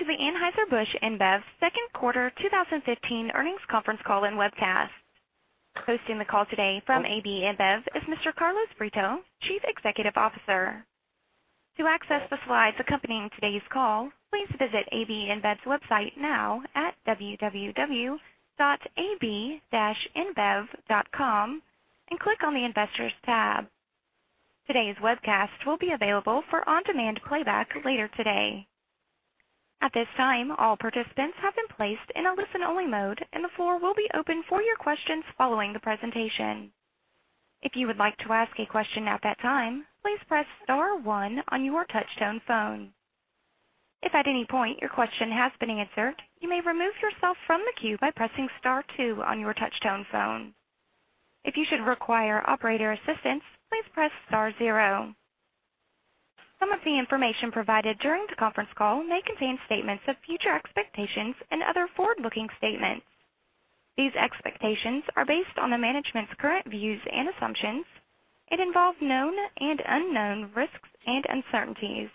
Welcome to the Anheuser-Busch InBev second quarter 2015 earnings conference call and webcast. Hosting the call today from AB InBev is Mr. Carlos Brito, Chief Executive Officer. To access the slides accompanying today's call, please visit ab-inbev.com and click on the Investors tab. Today's webcast will be available for on-demand playback later today. At this time, all participants have been placed in a listen-only mode, and the floor will be open for your questions following the presentation. If you would like to ask a question at that time, please press star one on your touch-tone phone. If at any point your question has been answered, you may remove yourself from the queue by pressing star two on your touch-tone phone. If you should require operator assistance, please press star zero. Some of the information provided during the conference call may contain statements of future expectations and other forward-looking statements. These expectations are based on the management's current views and assumptions. It involves known and unknown risks and uncertainties.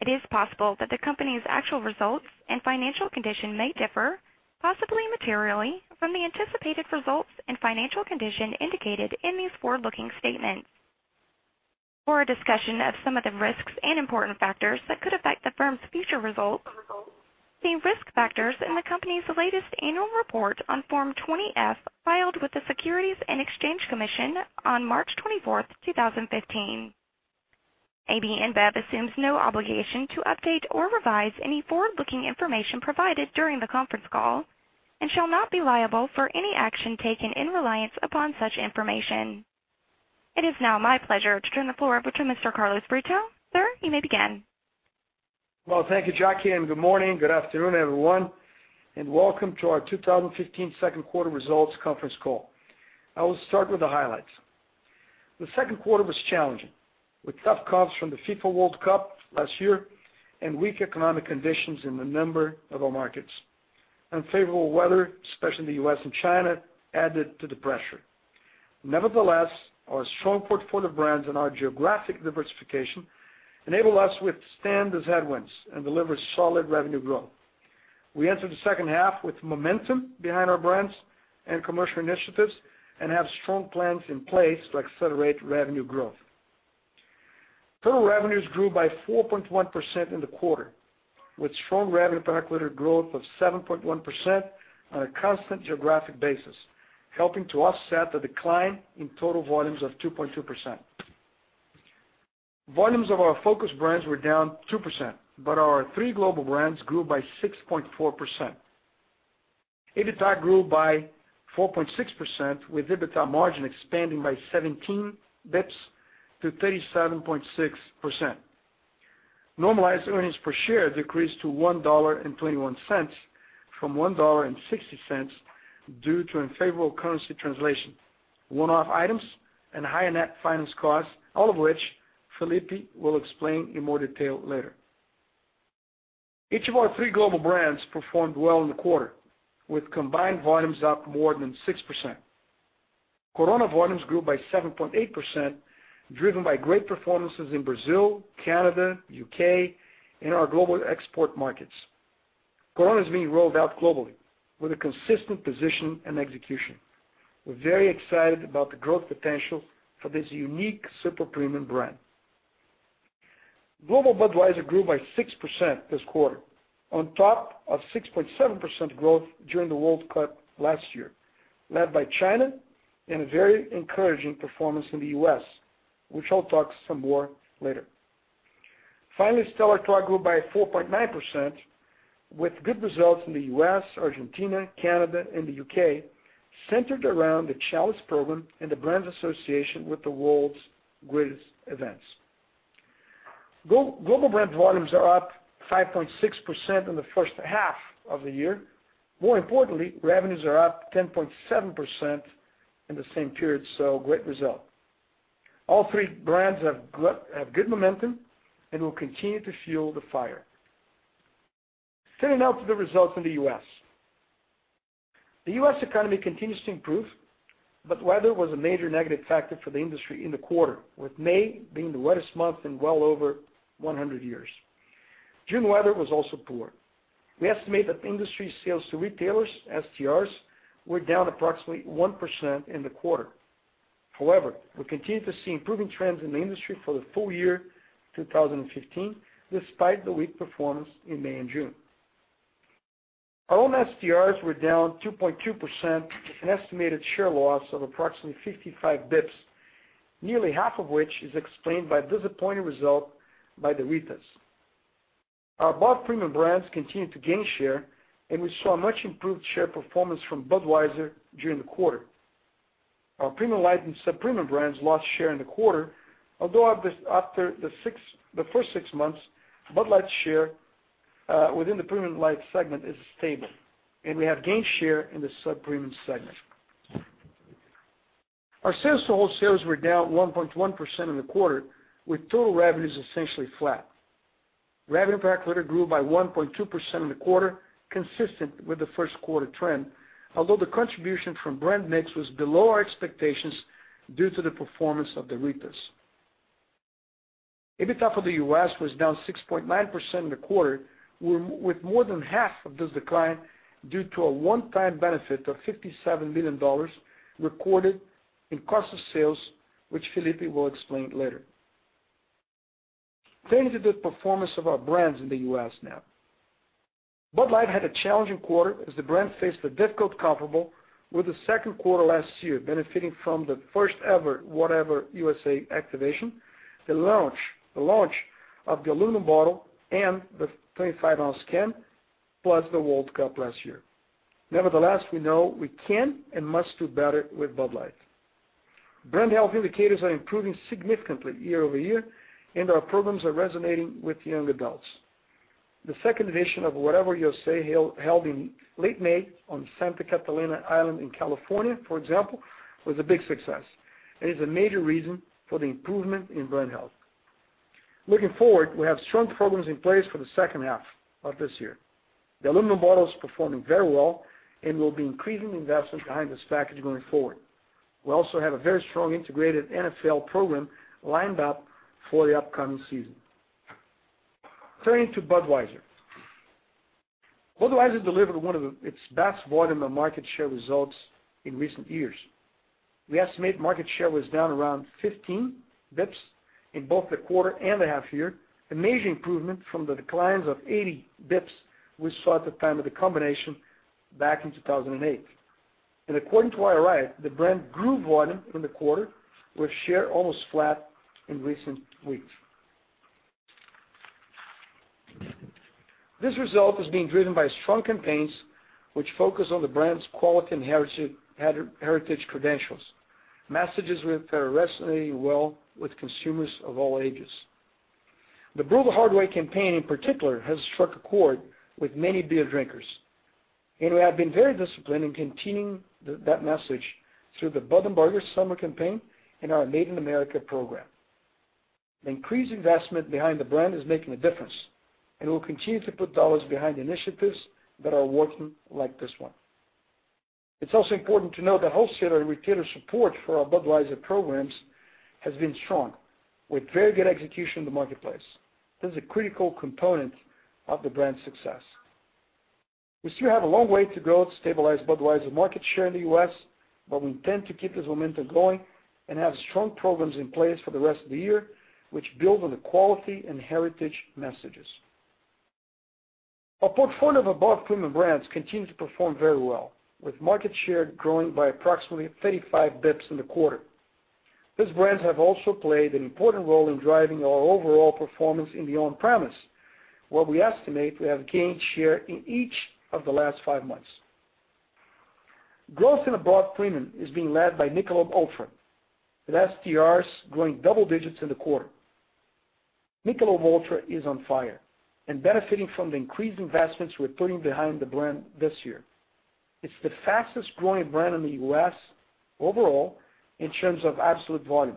It is possible that the company's actual results and financial condition may differ, possibly materially, from the anticipated results and financial condition indicated in these forward-looking statements. For a discussion of some of the risks and important factors that could affect the firm's future results, see risk factors in the company's latest annual report on Form 20-F filed with the Securities and Exchange Commission on March 24th, 2015. AB InBev assumes no obligation to update or revise any forward-looking information provided during the conference call and shall not be liable for any action taken in reliance upon such information. It is now my pleasure to turn the floor over to Mr. Carlos Brito. Sir, you may begin. Well, thank you, Jackie. Good morning, good afternoon, everyone, welcome to our 2015 second quarter results conference call. I will start with the highlights. The second quarter was challenging, with tough comps from the FIFA World Cup last year and weak economic conditions in a number of our markets. Unfavorable weather, especially in the U.S. and China, added to the pressure. Nevertheless, our strong portfolio brands and our geographic diversification enabled us to withstand those headwinds and deliver solid revenue growth. Total revenues grew by 4.1% in the quarter, with strong revenue per hectoliter growth of 7.1% on a constant geographic basis, helping to offset the decline in total volumes of 2.2%. Volumes of our focus brands were down 2%. Our three global brands grew by 6.4%. EBITDA grew by 4.6%, with EBITDA margin expanding by 17 basis points to 37.6%. Normalized earnings per share decreased to $1.21 from $1.60 due to unfavorable currency translation, one-off items, and higher net finance costs, all of which Felipe will explain in more detail later. Each of our three global brands performed well in the quarter, with combined volumes up more than 6%. Corona volumes grew by 7.8%, driven by great performances in Brazil, Canada, U.K., and our global export markets. Corona is being rolled out globally with a consistent position and execution. We're very excited about the growth potential for this unique super premium brand. Global Budweiser grew by 6% this quarter, on top of 6.7% growth during the World Cup last year, led by China and a very encouraging performance in the U.S., which I'll talk some more later. Stella Artois grew by 4.9% with good results in the U.S., Argentina, Canada, and the U.K., centered around the Chalice program and the brand's association with the world's greatest events. Global brand volumes are up 5.6% in the first half of the year. Revenues are up 10.7% in the same period. Great result. Turning now to the results in the U.S. The U.S. economy continues to improve. Weather was a major negative factor for the industry in the quarter, with May being the wettest month in well over 100 years. June weather was also poor. We estimate that industry sales to retailers, STRs, were down approximately 1% in the quarter. We continue to see improving trends in the industry for the full year 2015, despite the weak performance in May and June. Our own STRs were down 2.2%, an estimated share loss of approximately 55 basis points, nearly half of which is explained by disappointing result by the Ritas. Our above-premium brands continued to gain share. We saw a much-improved share performance from Budweiser during the quarter. Our premium light and sub-premium brands lost share in the quarter, although after the first six months, Bud Light's share, within the premium light segment, is stable, and we have gained share in the sub-premium segment. Our sales to wholesalers were down 1.1% in the quarter, with total revenues essentially flat. Revenue per hectoliter grew by 1.2% in the quarter, consistent with the first quarter trend, although the contribution from brand mix was below our expectations due to the performance of the Ritas. EBITDA for the U.S. was down 6.9% in the quarter, with more than half of this decline due to a one-time benefit of $57 million recorded in cost of sales, which Felipe will explain later. Turning to the performance of our brands in the U.S. now. Bud Light had a challenging quarter as the brand faced a difficult comparable with the second quarter last year, benefiting from the first-ever Whatever, USA activation, the launch of the aluminum bottle and the 25-ounce can, plus the World Cup last year. We know we can and must do better with Bud Light. Brand health indicators are improving significantly year-over-year. Our programs are resonating with young adults. The second edition of Whatever, USA, held in late May on Santa Catalina Island in California, for example, was a big success and is a major reason for the improvement in brand health. Looking forward, we have strong programs in place for the second half of this year. The aluminum bottle is performing very well, and we'll be increasing the investment behind this package going forward. We also have a very strong integrated NFL program lined up for the upcoming season. Turning to Budweiser. Budweiser delivered one of its best volume and market share results in recent years. We estimate market share was down around 15 basis points in both the quarter and the half year, a major improvement from the declines of 80 basis points we saw at the time of the combination back in 2008. According to IRI, the brand grew volume in the quarter with share almost flat in recent weeks. This result is being driven by strong campaigns which focus on the brand's quality and heritage credentials, messages that are resonating well with consumers of all ages. The Brewed the Hard Way campaign, in particular, has struck a chord with many beer drinkers, and we have been very disciplined in continuing that message through the Bud and Burgers summer campaign and our Made in America program. The increased investment behind the brand is making a difference, and we'll continue to put dollars behind initiatives that are working like this one. It's also important to note that wholesaler and retailer support for our Budweiser programs has been strong, with very good execution in the marketplace. This is a critical component of the brand's success. We still have a long way to go to stabilize Budweiser market share in the U.S., but we intend to keep this momentum going and have strong programs in place for the rest of the year, which build on the quality and heritage messages. Our portfolio of above-premium brands continued to perform very well, with market share growing by approximately 35 basis points in the quarter. These brands have also played an important role in driving our overall performance in the on-premise, where we estimate we have gained share in each of the last five months. Growth in above-premium is being led by Michelob ULTRA. With STRs growing double digits in the quarter. Michelob ULTRA is on fire and benefiting from the increased investments we're putting behind the brand this year. It's the fastest-growing brand in the U.S. overall in terms of absolute volume,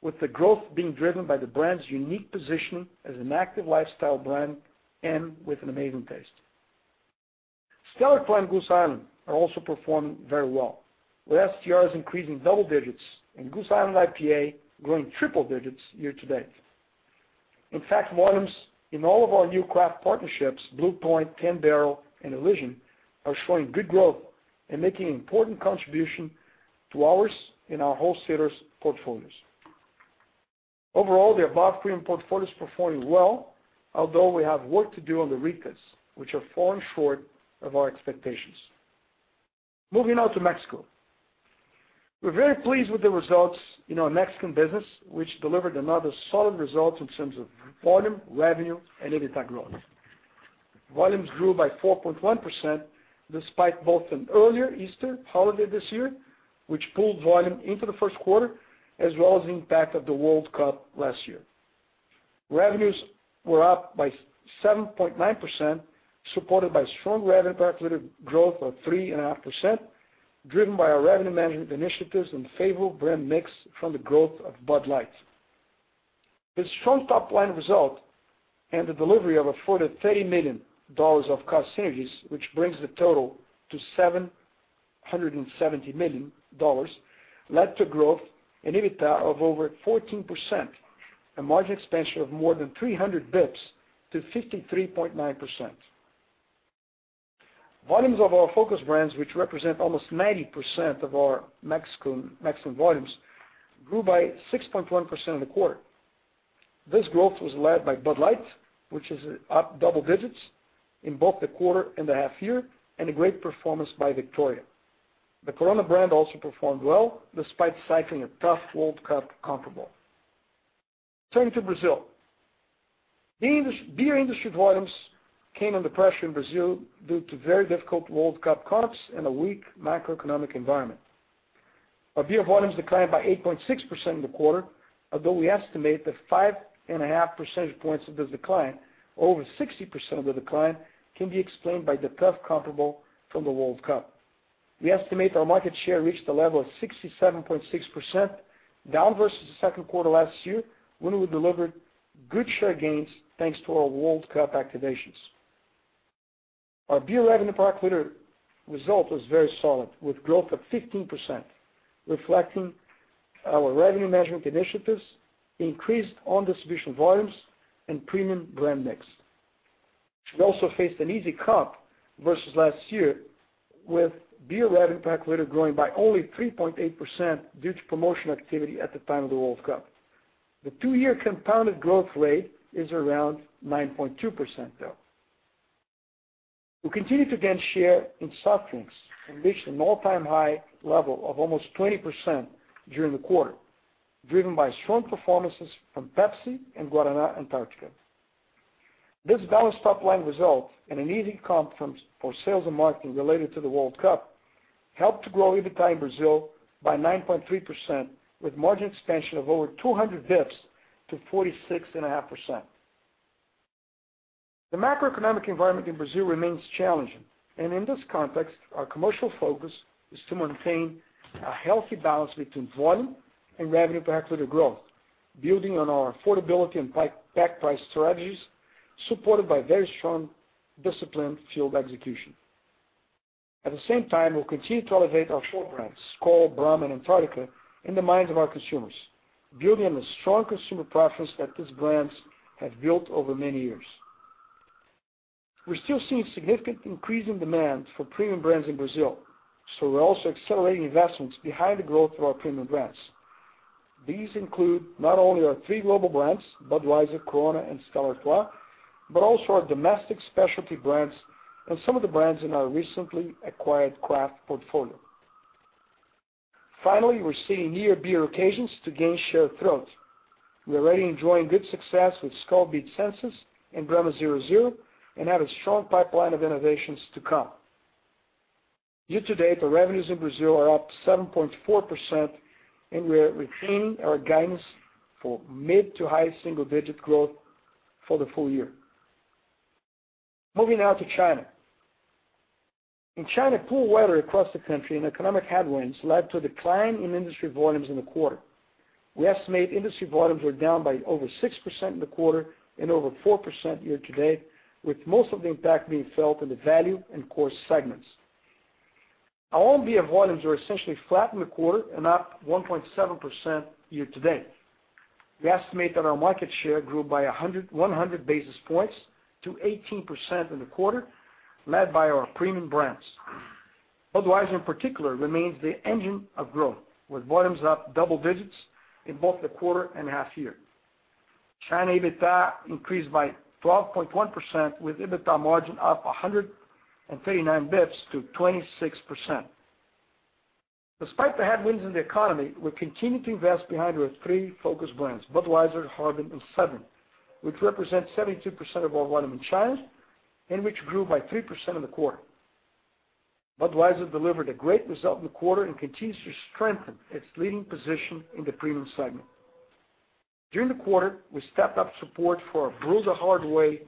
with the growth being driven by the brand's unique position as an active lifestyle brand and with an amazing taste. Stella, Crown, Goose Island are also performing very well, with STRs increasing double digits and Goose Island IPA growing triple digits year-to-date. In fact, volumes in all of our new craft partnerships, Blue Point, 10 Barrel, and Elysian, are showing good growth and making an important contribution to ours and our wholesalers' portfolios. Overall, the above-premium portfolio is performing well, although we have work to do on the Ritas, which are falling short of our expectations. Moving now to Mexico. We're very pleased with the results in our Mexican business, which delivered another solid result in terms of volume, revenue, and EBITDA growth. Volumes grew by 4.1%, despite both an earlier Easter holiday this year, which pulled volume into the first quarter, as well as the impact of the FIFA World Cup last year. Revenues were up by 7.9%, supported by strong revenue per hectoliter growth of 3.5%, driven by our revenue management initiatives and favorable brand mix from the growth of Bud Light. This strong top-line result and the delivery of a further EUR 30 million of cost synergies, which brings the total to EUR 770 million, led to growth in EBITDA of over 14%, a margin expansion of more than 300 basis points to 53.9%. Volumes of our focus brands, which represent almost 90% of our Mexican volumes, grew by 6.1% in the quarter. This growth was led by Bud Light, which is up double digits in both the quarter and the half year, and a great performance by Victoria. The Corona brand also performed well, despite cycling a tough FIFA World Cup comparable. Turning to Brazil. Beer industry volumes came under pressure in Brazil due to very difficult FIFA World Cup comps and a weak macroeconomic environment. Our beer volumes declined by 8.6% in the quarter, although we estimate that 5.5 percentage points of this decline, over 60% of the decline, can be explained by the tough comparable from the FIFA World Cup. We estimate our market share reached a level of 67.6%, down versus the second quarter last year, when we delivered good share gains, thanks to our FIFA World Cup activations. Our beer revenue per hectoliter result was very solid, with growth of 15%, reflecting our revenue management initiatives, increased own-distribution volumes, and premium brand mix. We also faced an easy comp versus last year with beer revenue per hectoliter growing by only 3.8% due to promotional activity at the time of the FIFA World Cup. The two-year compounded growth rate is around 9.2% though. We continued to gain share in soft drinks and reached an all-time high level of almost 20% during the quarter, driven by strong performances from Pepsi and Guaraná Antarctica. This balanced top-line result and an easy comp from sales and marketing related to the FIFA World Cup helped to grow EBITDA in Brazil by 9.3% with margin expansion of over 200 basis points to 46.5%. The macroeconomic environment in Brazil remains challenging, and in this context, our commercial focus is to maintain a healthy balance between volume and revenue per hectoliter growth, building on our affordability and pack price strategies, supported by very strong, disciplined field execution. At the same time, we'll continue to elevate our core brands, Skol, Brahma, and Antarctica, in the minds of our consumers, building on the strong consumer preference that these brands have built over many years. We're still seeing significant increase in demand for premium brands in Brazil, so we're also accelerating investments behind the growth of our premium brands. These include not only our three global brands, Budweiser, Corona, and Stella Artois, but also our domestic specialty brands and some of the brands in our recently acquired craft portfolio. Finally, we're seeing near-beer occasions to gain share through. We're already enjoying good success with Skol Beats Senses and Brahma 0,0% and have a strong pipeline of innovations to come. Year to date, our revenues in Brazil are up 7.4%, and we're retaining our guidance for mid-to-high single-digit growth for the full year. Moving now to China. In China, cool weather across the country and economic headwinds led to a decline in industry volumes in the quarter. We estimate industry volumes were down by over 6% in the quarter and over 4% year to date, with most of the impact being felt in the value and core segments. Our own beer volumes were essentially flat in the quarter and up 1.7% year to date. We estimate that our market share grew by 100 basis points to 18% in the quarter, led by our premium brands. Budweiser, in particular, remains the engine of growth, with volumes up double digits in both the quarter and half year. China EBITDA increased by 12.1%, with EBITDA margin up 139 basis points to 26%. Despite the headwinds in the economy, we're continuing to invest behind our three focus brands, Budweiser, Harbin, and Sedrin, which represent 72% of our volume in China and which grew by 3% in the quarter. Budweiser delivered a great result in the quarter and continues to strengthen its leading position in the premium segment. During the quarter, we stepped up support for our Brewed the Hard Way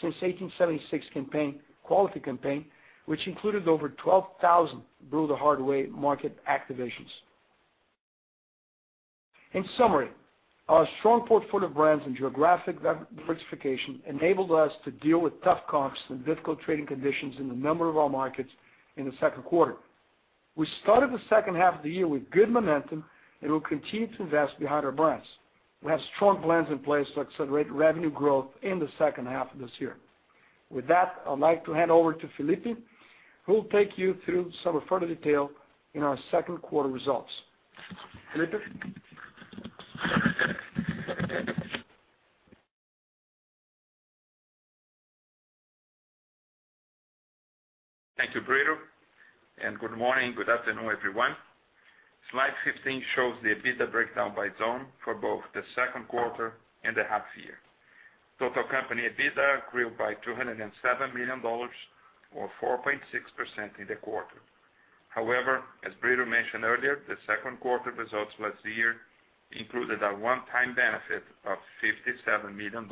Since 1876 campaign, quality campaign, which included over 12,000 Brewed the Hard Way market activations. In summary, our strong portfolio of brands and geographic diversification enabled us to deal with tough comps and difficult trading conditions in a number of our markets in the second quarter. We started the second half of the year with good momentum, and we'll continue to invest behind our brands. We have strong plans in place to accelerate revenue growth in the second half of this year. With that, I'd like to hand over to Felipe, who will take you through some further detail in our second quarter results. Felipe? Thank you, Brito. Good morning, good afternoon, everyone. Slide 15 shows the EBITDA breakdown by zone for both the second quarter and the half year. Total company EBITDA grew by $207 million or 4.6% in the quarter. However, as Brito mentioned earlier, the second quarter results last year included a one-time benefit of $57 million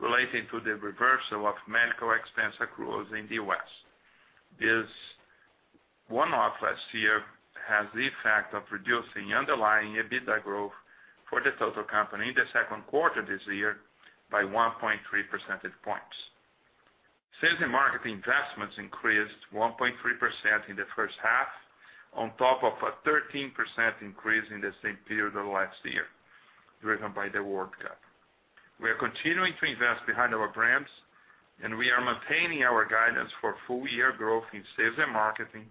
related to the reversal of medical expense accruals in the U.S. This one-off last year has the effect of reducing underlying EBITDA growth for the total company in the second quarter this year by 1.3 percentage points. Sales and marketing investments increased 1.3% in the first half, on top of a 13% increase in the same period of last year, driven by the World Cup. We are continuing to invest behind our brands, we are maintaining our guidance for full-year growth in sales and marketing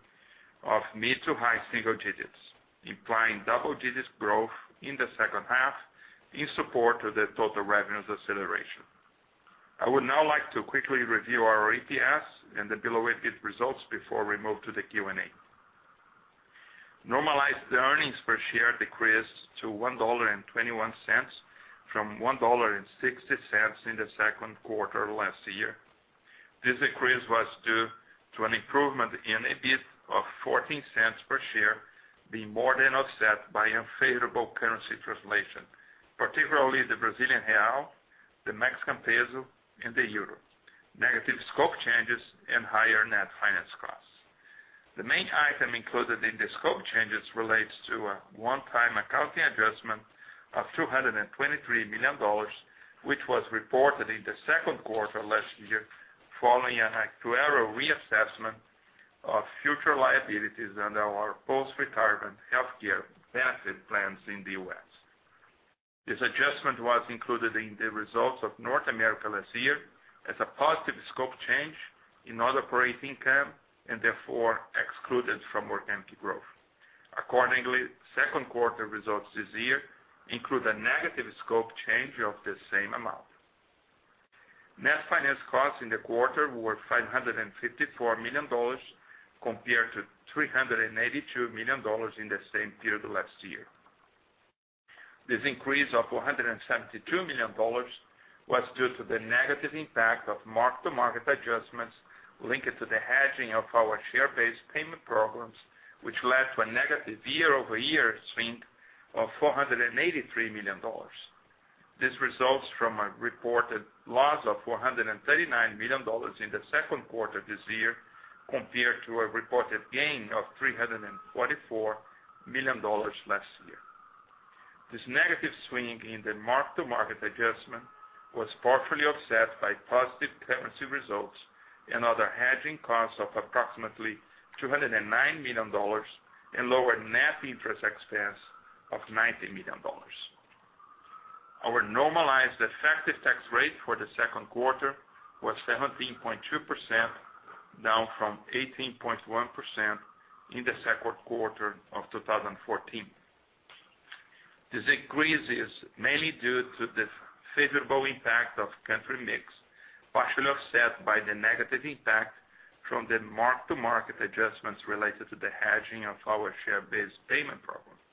of mid-to-high single digits, implying double-digit growth in the second half in support of the total revenues acceleration. I would now like to quickly review our EPS and the below EPS results before we move to the Q&A. Normalized earnings per share decreased to $1.21 from $1.60 in the second quarter last year. This decrease was due to an improvement in EBIT of $0.14 per share being more than offset by unfavorable currency translation, particularly the Brazilian real, the Mexican peso, and the euro, negative scope changes, and higher net finance costs. The main item included in the scope changes relates to a one-time accounting adjustment of $223 million, which was reported in the second quarter last year following an actuarial reassessment of future liabilities under our post-retirement healthcare benefit plans in the U.S. This adjustment was included in the results of North America last year as a positive scope change in operating income, and therefore excluded from organic growth. Accordingly, second quarter results this year include a negative scope change of the same amount. Net finance costs in the quarter were $554 million compared to $382 million in the same period last year. This increase of $472 million was due to the negative impact of mark-to-market adjustments linked to the hedging of our share-based payment programs, which led to a negative year-over-year swing of $483 million. This results from a reported loss of $439 million in the second quarter this year compared to a reported gain of $344 million last year. This negative swing in the mark-to-market adjustment was partially offset by positive currency results and other hedging costs of approximately $209 million and lower net interest expense of $90 million. Our normalized effective tax rate for the second quarter was 17.2%, down from 18.1% in the second quarter of 2014. This decrease is mainly due to the favorable impact of country mix, partially offset by the negative impact from the mark-to-market adjustments related to the hedging of our share-based payment programs.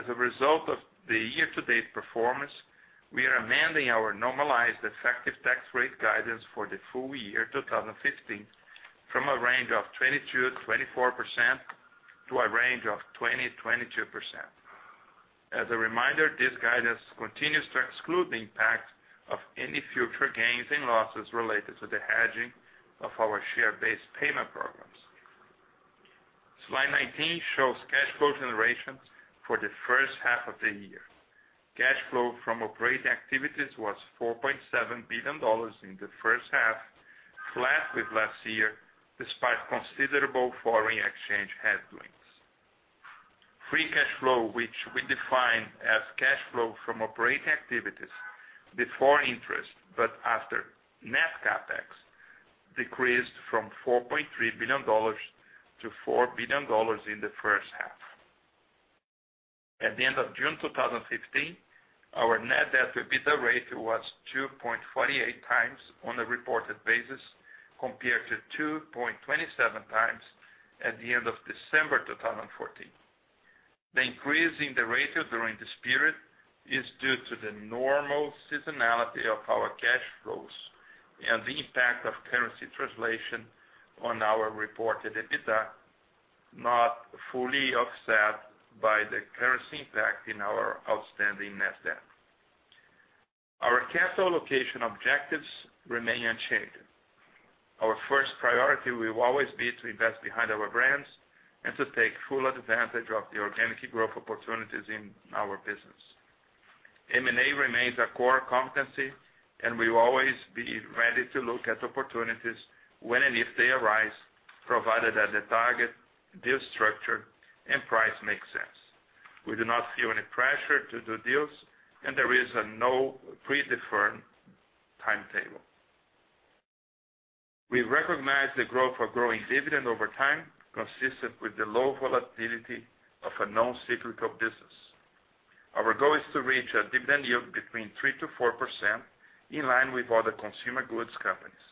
As a result of the year-to-date performance, we are amending our normalized effective tax rate guidance for the full year 2015 from a range of 22%-24% to a range of 20%-22%. As a reminder, this guidance continues to exclude the impact of any future gains and losses related to the hedging of our share-based payment programs. Slide 19 shows cash flow generations for the first half of the year. Cash flow from operating activities was $4.7 billion in the first half, flat with last year, despite considerable foreign exchange headwinds. Free cash flow, which we define as cash flow from operating activities before interest, but after net CapEx, decreased from $4.3 billion to $4 billion in the first half. At the end of June 2015, our net debt-to-EBITDA rate was 2.48 times on a reported basis, compared to 2.27 times at the end of December 2014. The increase in the rate during this period is due to the normal seasonality of our cash flows and the impact of currency translation on our reported EBITDA, not fully offset by the currency impact in our outstanding net debt. Our capital allocation objectives remain unchanged. Our first priority will always be to invest behind our brands and to take full advantage of the organic growth opportunities in our business. M&A remains a core competency, and we will always be ready to look at opportunities when and if they arise, provided that the target, deal structure, and price makes sense. We do not feel any pressure to do deals, and there is no pre-defined timetable. We recognize the growth for growing dividend over time, consistent with the low volatility of a non-cyclical business. Our goal is to reach a dividend yield between 3%-4%, in line with other consumer goods companies.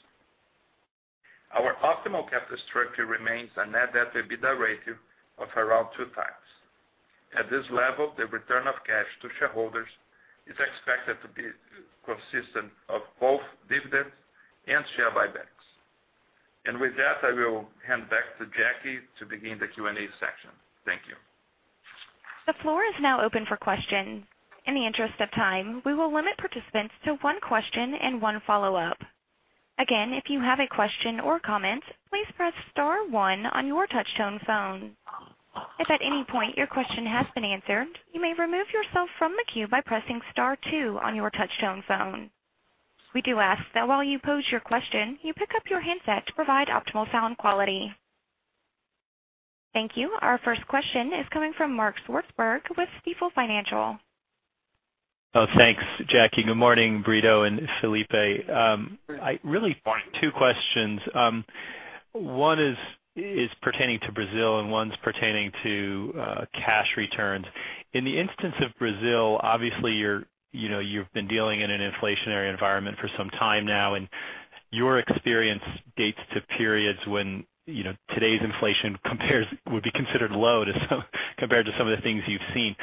Our optimal capital structure remains a net debt-to-EBITDA ratio of around two times. At this level, the return of cash to shareholders is expected to be consistent of both dividends and share buybacks. With that, I will hand back to Jackie to begin the Q&A section. Thank you. The floor is now open for questions. In the interest of time, we will limit participants to one question and one follow-up. Again, if you have a question or comment, please press star one on your touchtone phone. If at any point your question has been answered, you may remove yourself from the queue by pressing star two on your touchtone phone. We do ask that while you pose your question, you pick up your handset to provide optimal sound quality. Thank you. Our first question is coming from Mark Swartzberg with Stifel Financial. Thanks, Jackie. Good morning, Brito and Felipe. Really two questions. One is pertaining to Brazil and one's pertaining to cash returns. In the instance of Brazil, obviously you've been dealing in an inflationary environment for some time now, and your experience dates to periods when today's inflation would be considered low compared to some of the things you've seen.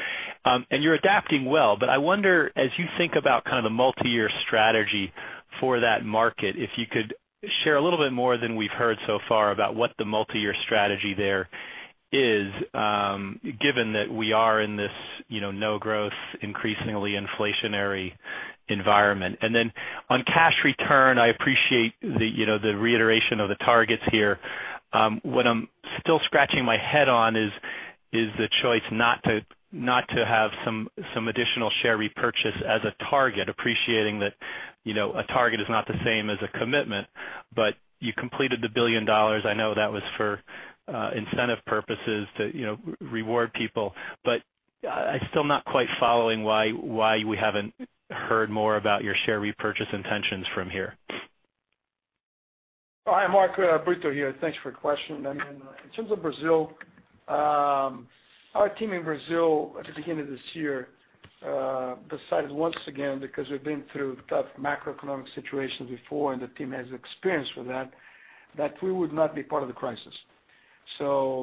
You're adapting well. I wonder, as you think about the multi-year strategy for that market, if you could share a little bit more than we've heard so far about what the multi-year strategy there is, given that we are in this no growth, increasingly inflationary environment. On cash return, I appreciate the reiteration of the targets here. What I'm still scratching my head on is the choice not to have some additional share repurchase as a target, appreciating that a target is not the same as a commitment. You completed the $1 billion. I know that was for incentive purposes to reward people, but I'm still not quite following why we haven't heard more about your share repurchase intentions from here. Hi, Mark. Brito here. Thanks for your question. In terms of Brazil, our team in Brazil at the beginning of this year, decided once again, because we've been through tough macroeconomic situations before, and the team has experience with that we would not be part of the crisis.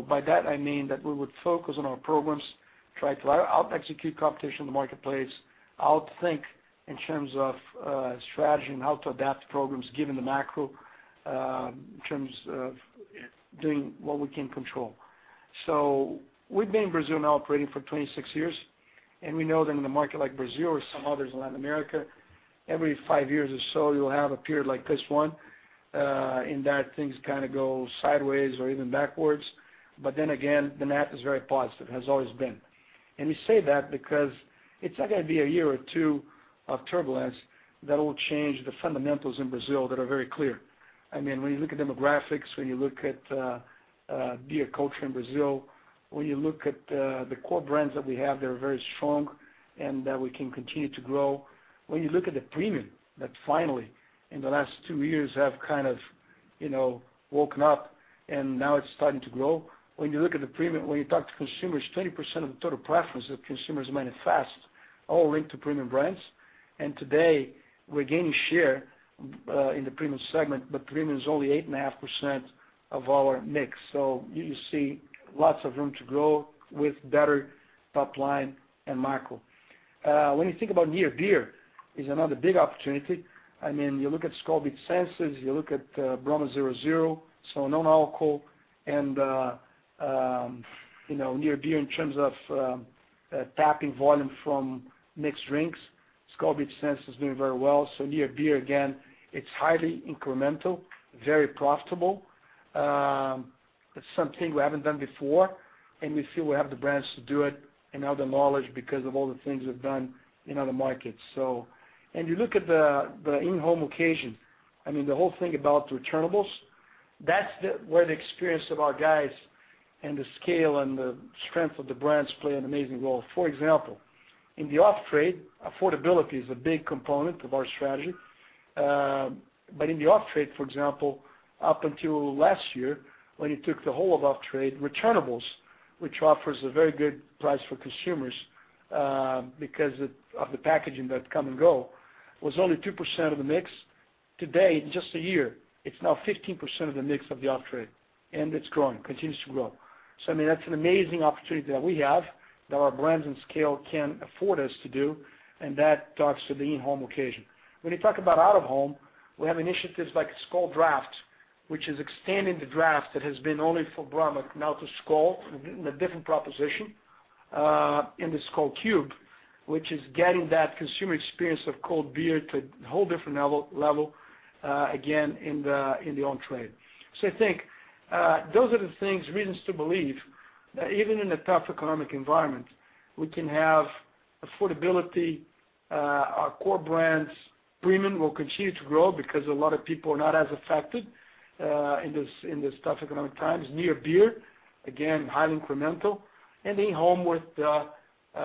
By that, I mean that we would focus on our programs, try to out-execute competition in the marketplace, out-think in terms of strategy and how to adapt the programs, given the macro in terms of doing what we can control. We've been in Brazil now operating for 26 years, and we know that in a market like Brazil or some others in Latin America, every five years or so, you'll have a period like this one, in that things kind of go sideways or even backwards. Again, the net is very positive, has always been. We say that because it's not going to be a year or two of turbulence that will change the fundamentals in Brazil that are very clear. When you look at demographics, when you look at beer culture in Brazil, when you look at the core brands that we have, they're very strong and that we can continue to grow. When you look at the premium that finally in the last two years have kind of woken up and now it's starting to grow. When you look at the premium, when you talk to consumers, 20% of the total preference that consumers manifest all link to premium brands. Today, we're gaining share in the premium segment, but premium is only 8.5% of our mix. You see lots of room to grow with better top line and macro. When you think about near beer is another big opportunity. You look at Skol Beats Senses, you look at Brahma 0,0%, so no alcohol, and near beer in terms of tapping volume from mixed drinks. Skol Beats Senses is doing very well. Near beer, again, it's highly incremental, very profitable. It's something we haven't done before, and we feel we have the brands to do it and now the knowledge because of all the things we've done in other markets. You look at the in-home occasion. The whole thing about returnables, that's where the experience of our guys and the scale and the strength of the brands play an amazing role. For example, in the off-trade, affordability is a big component of our strategy. In the off-trade, for example, up until last year, when you took the whole of off-trade returnables, which offers a very good price for consumers because of the packaging that come and go, was only 2% of the mix. Today, in just a year, it's now 15% of the mix of the off-trade, and it's growing, continues to grow. That's an amazing opportunity that we have that our brands and scale can afford us to do, and that talks to the in-home occasion. When you talk about out-of-home, we have initiatives like Skol Draft, which is extending the draft that has been only for Brahma now to Skol in a different proposition, and the Skol Cube, which is getting that consumer experience of cold beer to a whole different level, again, in the on-trade. I think those are the things, reasons to believe that even in a tough economic environment, we can have affordability. Our core brands premium will continue to grow because a lot of people are not as affected in this tough economic times. Near beer, again, highly incremental, and in-home with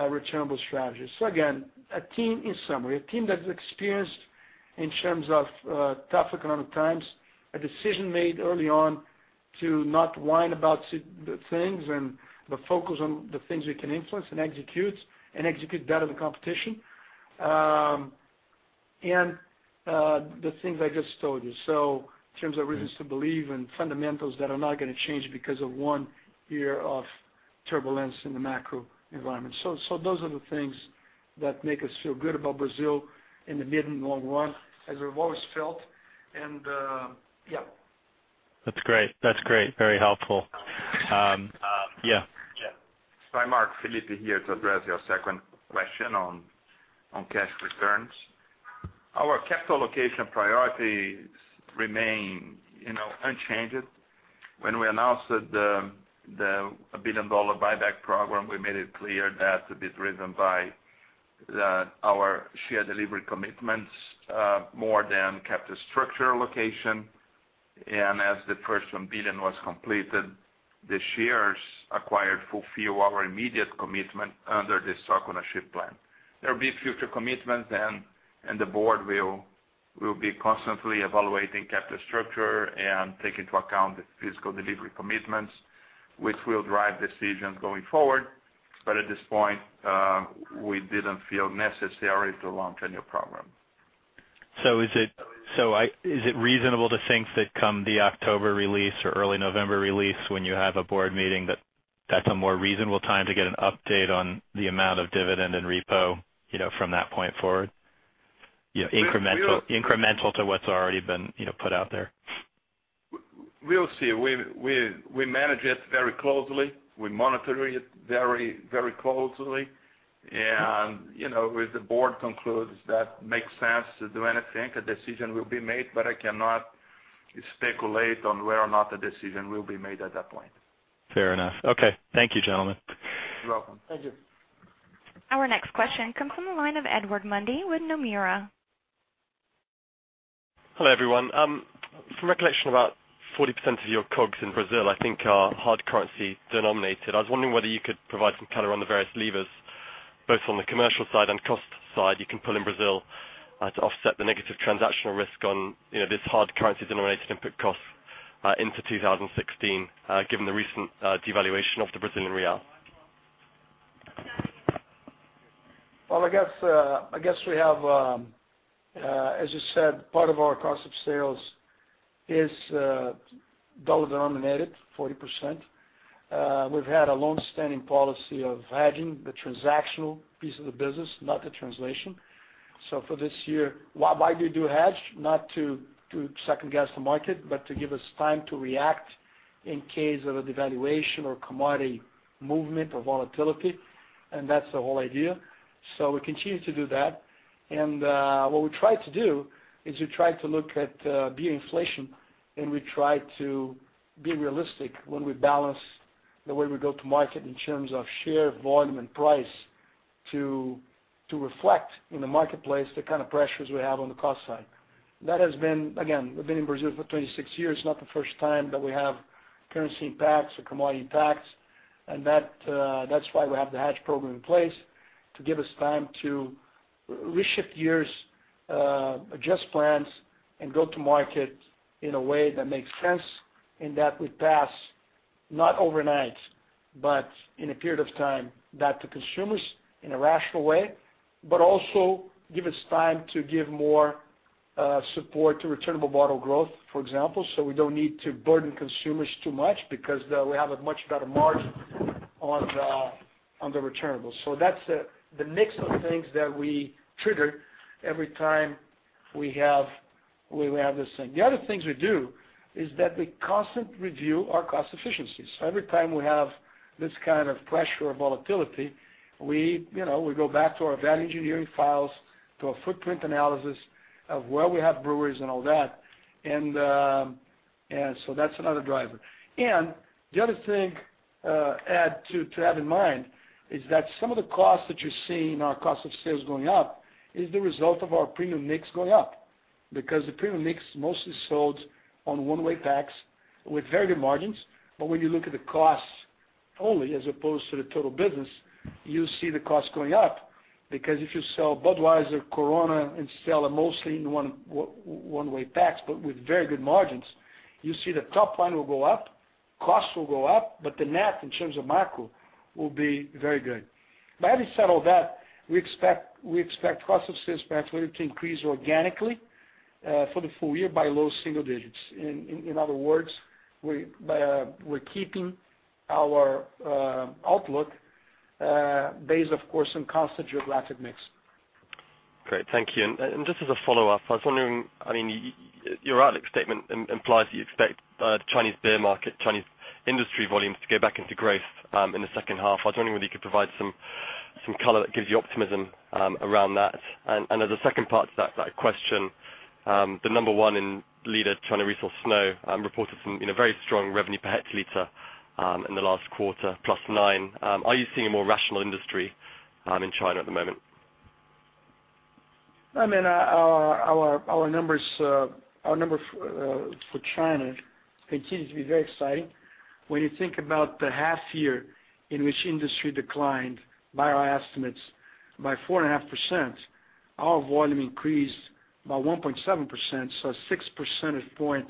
returnable strategies. Again, in summary, a team that's experienced in terms of tough economic times, a decision made early on to not whine about the things and the focus on the things we can influence and execute and execute better than competition, and the things I just told you. In terms of reasons to believe and fundamentals that are not going to change because of one year of turbulence in the macro environment. Those are the things that make us feel good about Brazil in the mid and long run, as we've always felt. Yeah. That's great. Very helpful. Yeah. Hi, Mark. Felipe here to address your second question on cash returns. Our capital allocation priorities remain unchanged. When we announced the $1 billion buyback program, we made it clear that to be driven by our share delivery commitments more than capital structure allocation. As the first $1 billion was completed, the shares acquired fulfill our immediate commitment under the stock ownership plan. There will be future commitments, and the board will be constantly evaluating capital structure and take into account the physical delivery commitments, which will drive decisions going forward. At this point, we didn't feel necessary to launch a new program. Is it reasonable to think that come the October release or early November release when you have a board meeting, that that's a more reasonable time to get an update on the amount of dividend and repo from that point forward? incremental to what's already been put out there. We'll see. We manage it very closely. We monitor it very closely. If the board concludes that it makes sense to do anything, a decision will be made, but I cannot speculate on whether or not a decision will be made at that point. Fair enough. Okay. Thank you, gentlemen. You're welcome. Thank you. Our next question comes from the line of Edward Mundy with Nomura. Hello, everyone. From recollection, about 40% of your COGS in Brazil, I think are hard currency denominated. I was wondering whether you could provide some color on the various levers, both on the commercial side and cost side you can pull in Brazil to offset the negative transactional risk on this hard currency denominated input cost into 2016, given the recent devaluation of the Brazilian real. Well, I guess we have, as you said, part of our cost of sales is dollar denominated, 40%. We've had a long-standing policy of hedging the transactional piece of the business, not the translation. For this year, why do you do a hedge? Not to second guess the market, but to give us time to react in case of a devaluation or commodity movement or volatility. That's the whole idea. We continue to do that. What we try to do is we try to look at beer inflation, and we try to be realistic when we balance the way we go to market in terms of share, volume, and price to reflect in the marketplace the kind of pressures we have on the cost side. That has been, again, we've been in Brazil for 26 years, not the first time that we have currency impacts or commodity impacts. That's why we have the hedge program in place to give us time to reshift gears, adjust plans, and go to market in a way that makes sense and that we pass not overnight, but in a period of time, that to consumers in a rational way. Also give us time to give more support to returnable bottle growth, for example. We don't need to burden consumers too much because we have a much better margin on the returnables. That's the mix of things that we trigger every time we have this thing. The other things we do is that we constantly review our cost efficiencies. Every time we have this kind of pressure or volatility, we go back to our value engineering files, to our footprint analysis of where we have breweries and all that. That's another driver. The other thing to have in mind is that some of the costs that you're seeing our cost of sales going up is the result of our premium mix going up because the premium mix mostly sold on one-way packs with very good margins. When you look at the costs only as opposed to the total business, you see the cost going up because if you sell Budweiser, Corona, and Stella mostly in one-way packs but with very good margins, you see the top line will go up, costs will go up, but the net in terms of macro will be very good. Having said all that, we expect cost of sales to increase organically for the full year by low single digits. In other words, we're keeping our outlook based, of course, on constant geographic mix. Great. Thank you. Just as a follow-up, I was wondering, your outlook statement implies that you expect Chinese beer market, Chinese industry volumes to go back into growth in the second half. I was wondering whether you could provide some color that gives you optimism around that. As a second part to that question, the number one leader China Resources Snow, reported some very strong revenue per hectoliter in the last quarter, plus nine. Are you seeing a more rational industry in China at the moment? Our numbers for China continue to be very exciting. When you think about the half year in which industry declined, by our estimates, by 4.5%, our volume increased by 1.7%, so a six percentage point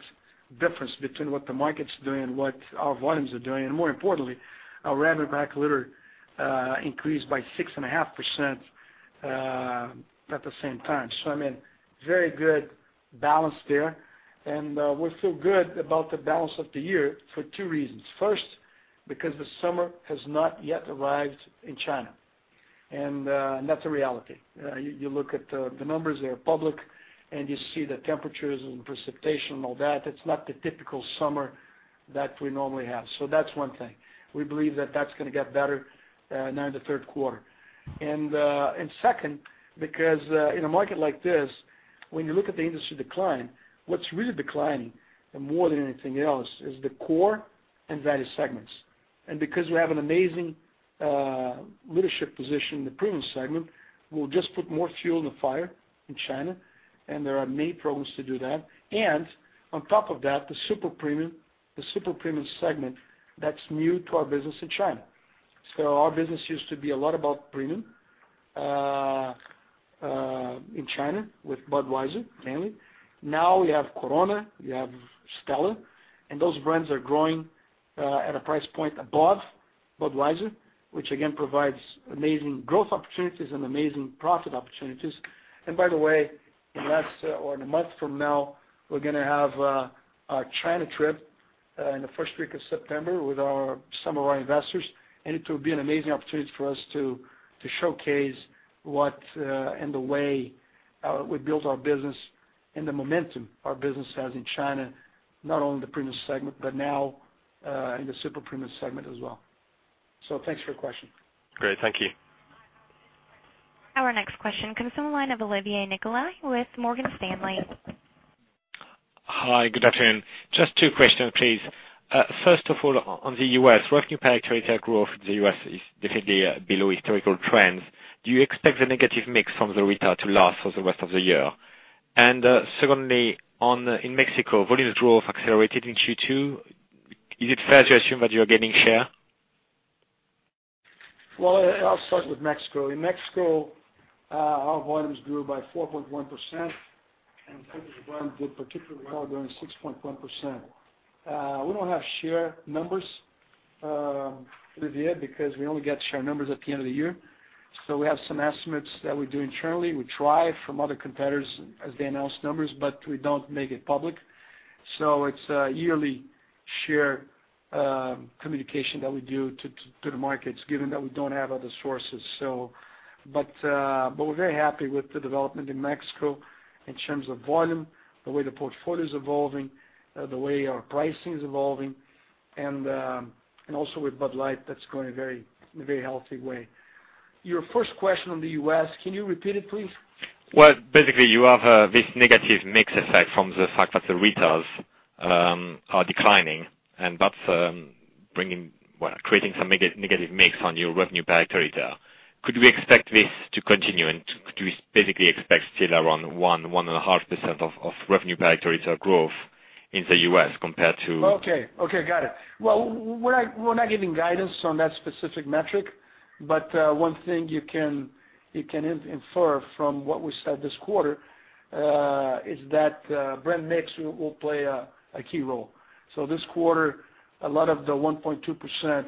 difference between what the market's doing and what our volumes are doing. More importantly, our revenue per hectoliter increased by 6.5% at the same time. I mean, very good balance there. We feel good about the balance of the year for two reasons. First, because the summer has not yet arrived in China. That's a reality. You look at the numbers, they're public, and you see the temperatures and precipitation and all that. It's not the typical summer that we normally have. So that's one thing. We believe that that's going to get better now in the third quarter. Second, because in a market like this, when you look at the industry decline, what's really declining more than anything else is the core and value segments. Because we have an amazing leadership position in the premium segment, we'll just put more fuel in the fire in China, and there are many programs to do that. On top of that, the super premium segment, that's new to our business in China. Our business used to be a lot about premium in China with Budweiser, mainly. Now we have Corona, we have Stella, and those brands are growing at a price point above Budweiser, which again provides amazing growth opportunities and amazing profit opportunities. By the way, in a month from now, we're going to have our China trip In the first week of September with some of our investors, and it will be an amazing opportunity for us to showcase what and the way we built our business and the momentum our business has in China, not only the premium segment, but now in the super premium segment as well. Thanks for your question. Great. Thank you. Our next question comes from the line of Olivier Nicolai with Morgan Stanley. Hi, good afternoon. Just two questions, please. First of all, on the U.S., revenue per liter growth in the U.S. is definitely below historical trends. Do you expect the negative mix from the Ritas to last for the rest of the year? Secondly, in Mexico, volumes growth accelerated in Q2. Is it fair to assume that you're gaining share? Well, I'll start with Mexico. In Mexico, our volumes grew by 4.1%, and focus brand did particularly well, growing 6.1%. We don't have share numbers, Olivier, because we only get share numbers at the end of the year. We have some estimates that we do internally. We try from other competitors as they announce numbers, but we don't make it public. It's a yearly share communication that we do to the markets, given that we don't have other sources. We're very happy with the development in Mexico in terms of volume, the way the portfolio is evolving, the way our pricing is evolving, and also with Bud Light, that's growing in a very healthy way. Your first question on the U.S., can you repeat it, please? Well, basically, you have this negative mix effect from the fact that the retails are declining and that's creating some negative mix on your revenue per liter. Could we expect this to continue and could we basically expect still around 1%, 1.5% of revenue per liter growth in the U.S. compared to. Okay. Got it. We're not giving guidance on that specific metric, but one thing you can infer from what we said this quarter, is that brand mix will play a key role. This quarter, a lot of the 1.2%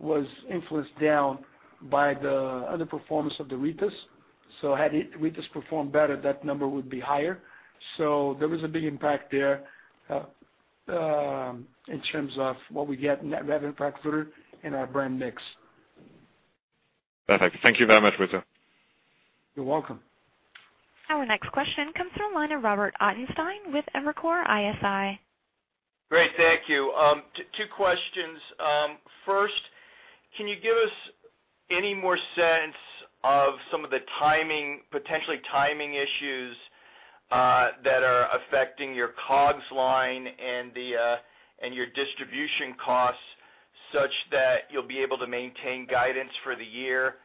was influenced down by the underperformance of the retails. Had retails performed better, that number would be higher. There was a big impact there, in terms of what we get in that revenue per hectoliter and our brand mix. Perfect. Thank you very much, Brito. You're welcome. Our next question comes from the line of Robert Ottenstein with Evercore ISI. Great, thank you. Two questions. First, can you give us any more sense of some of the potentially timing issues that are affecting your COGS line and your distribution costs, such that you'll be able to maintain guidance for the year,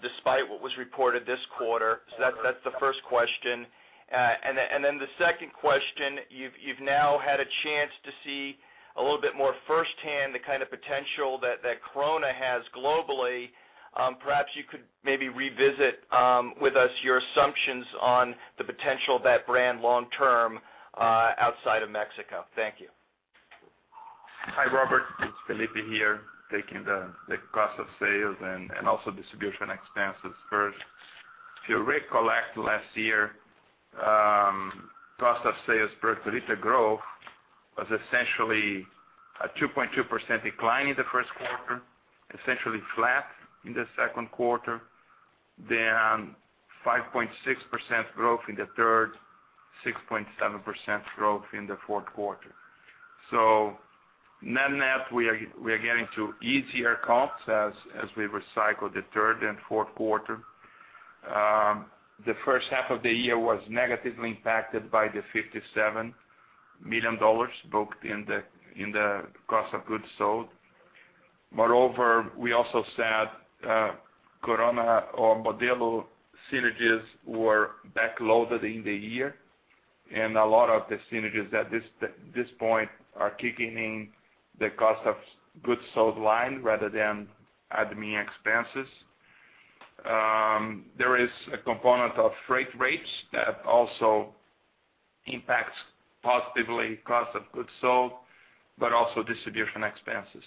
despite what was reported this quarter? That's the first question. The second question, you've now had a chance to see a little bit more firsthand the kind of potential that Corona has globally. Perhaps you could maybe revisit with us your assumptions on the potential of that brand long term outside of Mexico. Thank you. Hi, Robert, it's Felipe here. Taking the cost of sales and also distribution expenses first. If you recollect last year, cost of sales per liter growth was essentially a 2.2% decline in the first quarter, essentially flat in the second quarter, 5.6% growth in the third, 6.7% growth in the fourth quarter. Net-net, we are getting to easier comps as we recycle the third and fourth quarter. The first half of the year was negatively impacted by the $57 million booked in the cost of goods sold. Moreover, we also said Corona or Modelo synergies were back-loaded in the year and a lot of the synergies at this point are kicking in the cost of goods sold line rather than admin expenses. There is a component of freight rates that also impacts positively cost of goods sold, but also distribution expenses.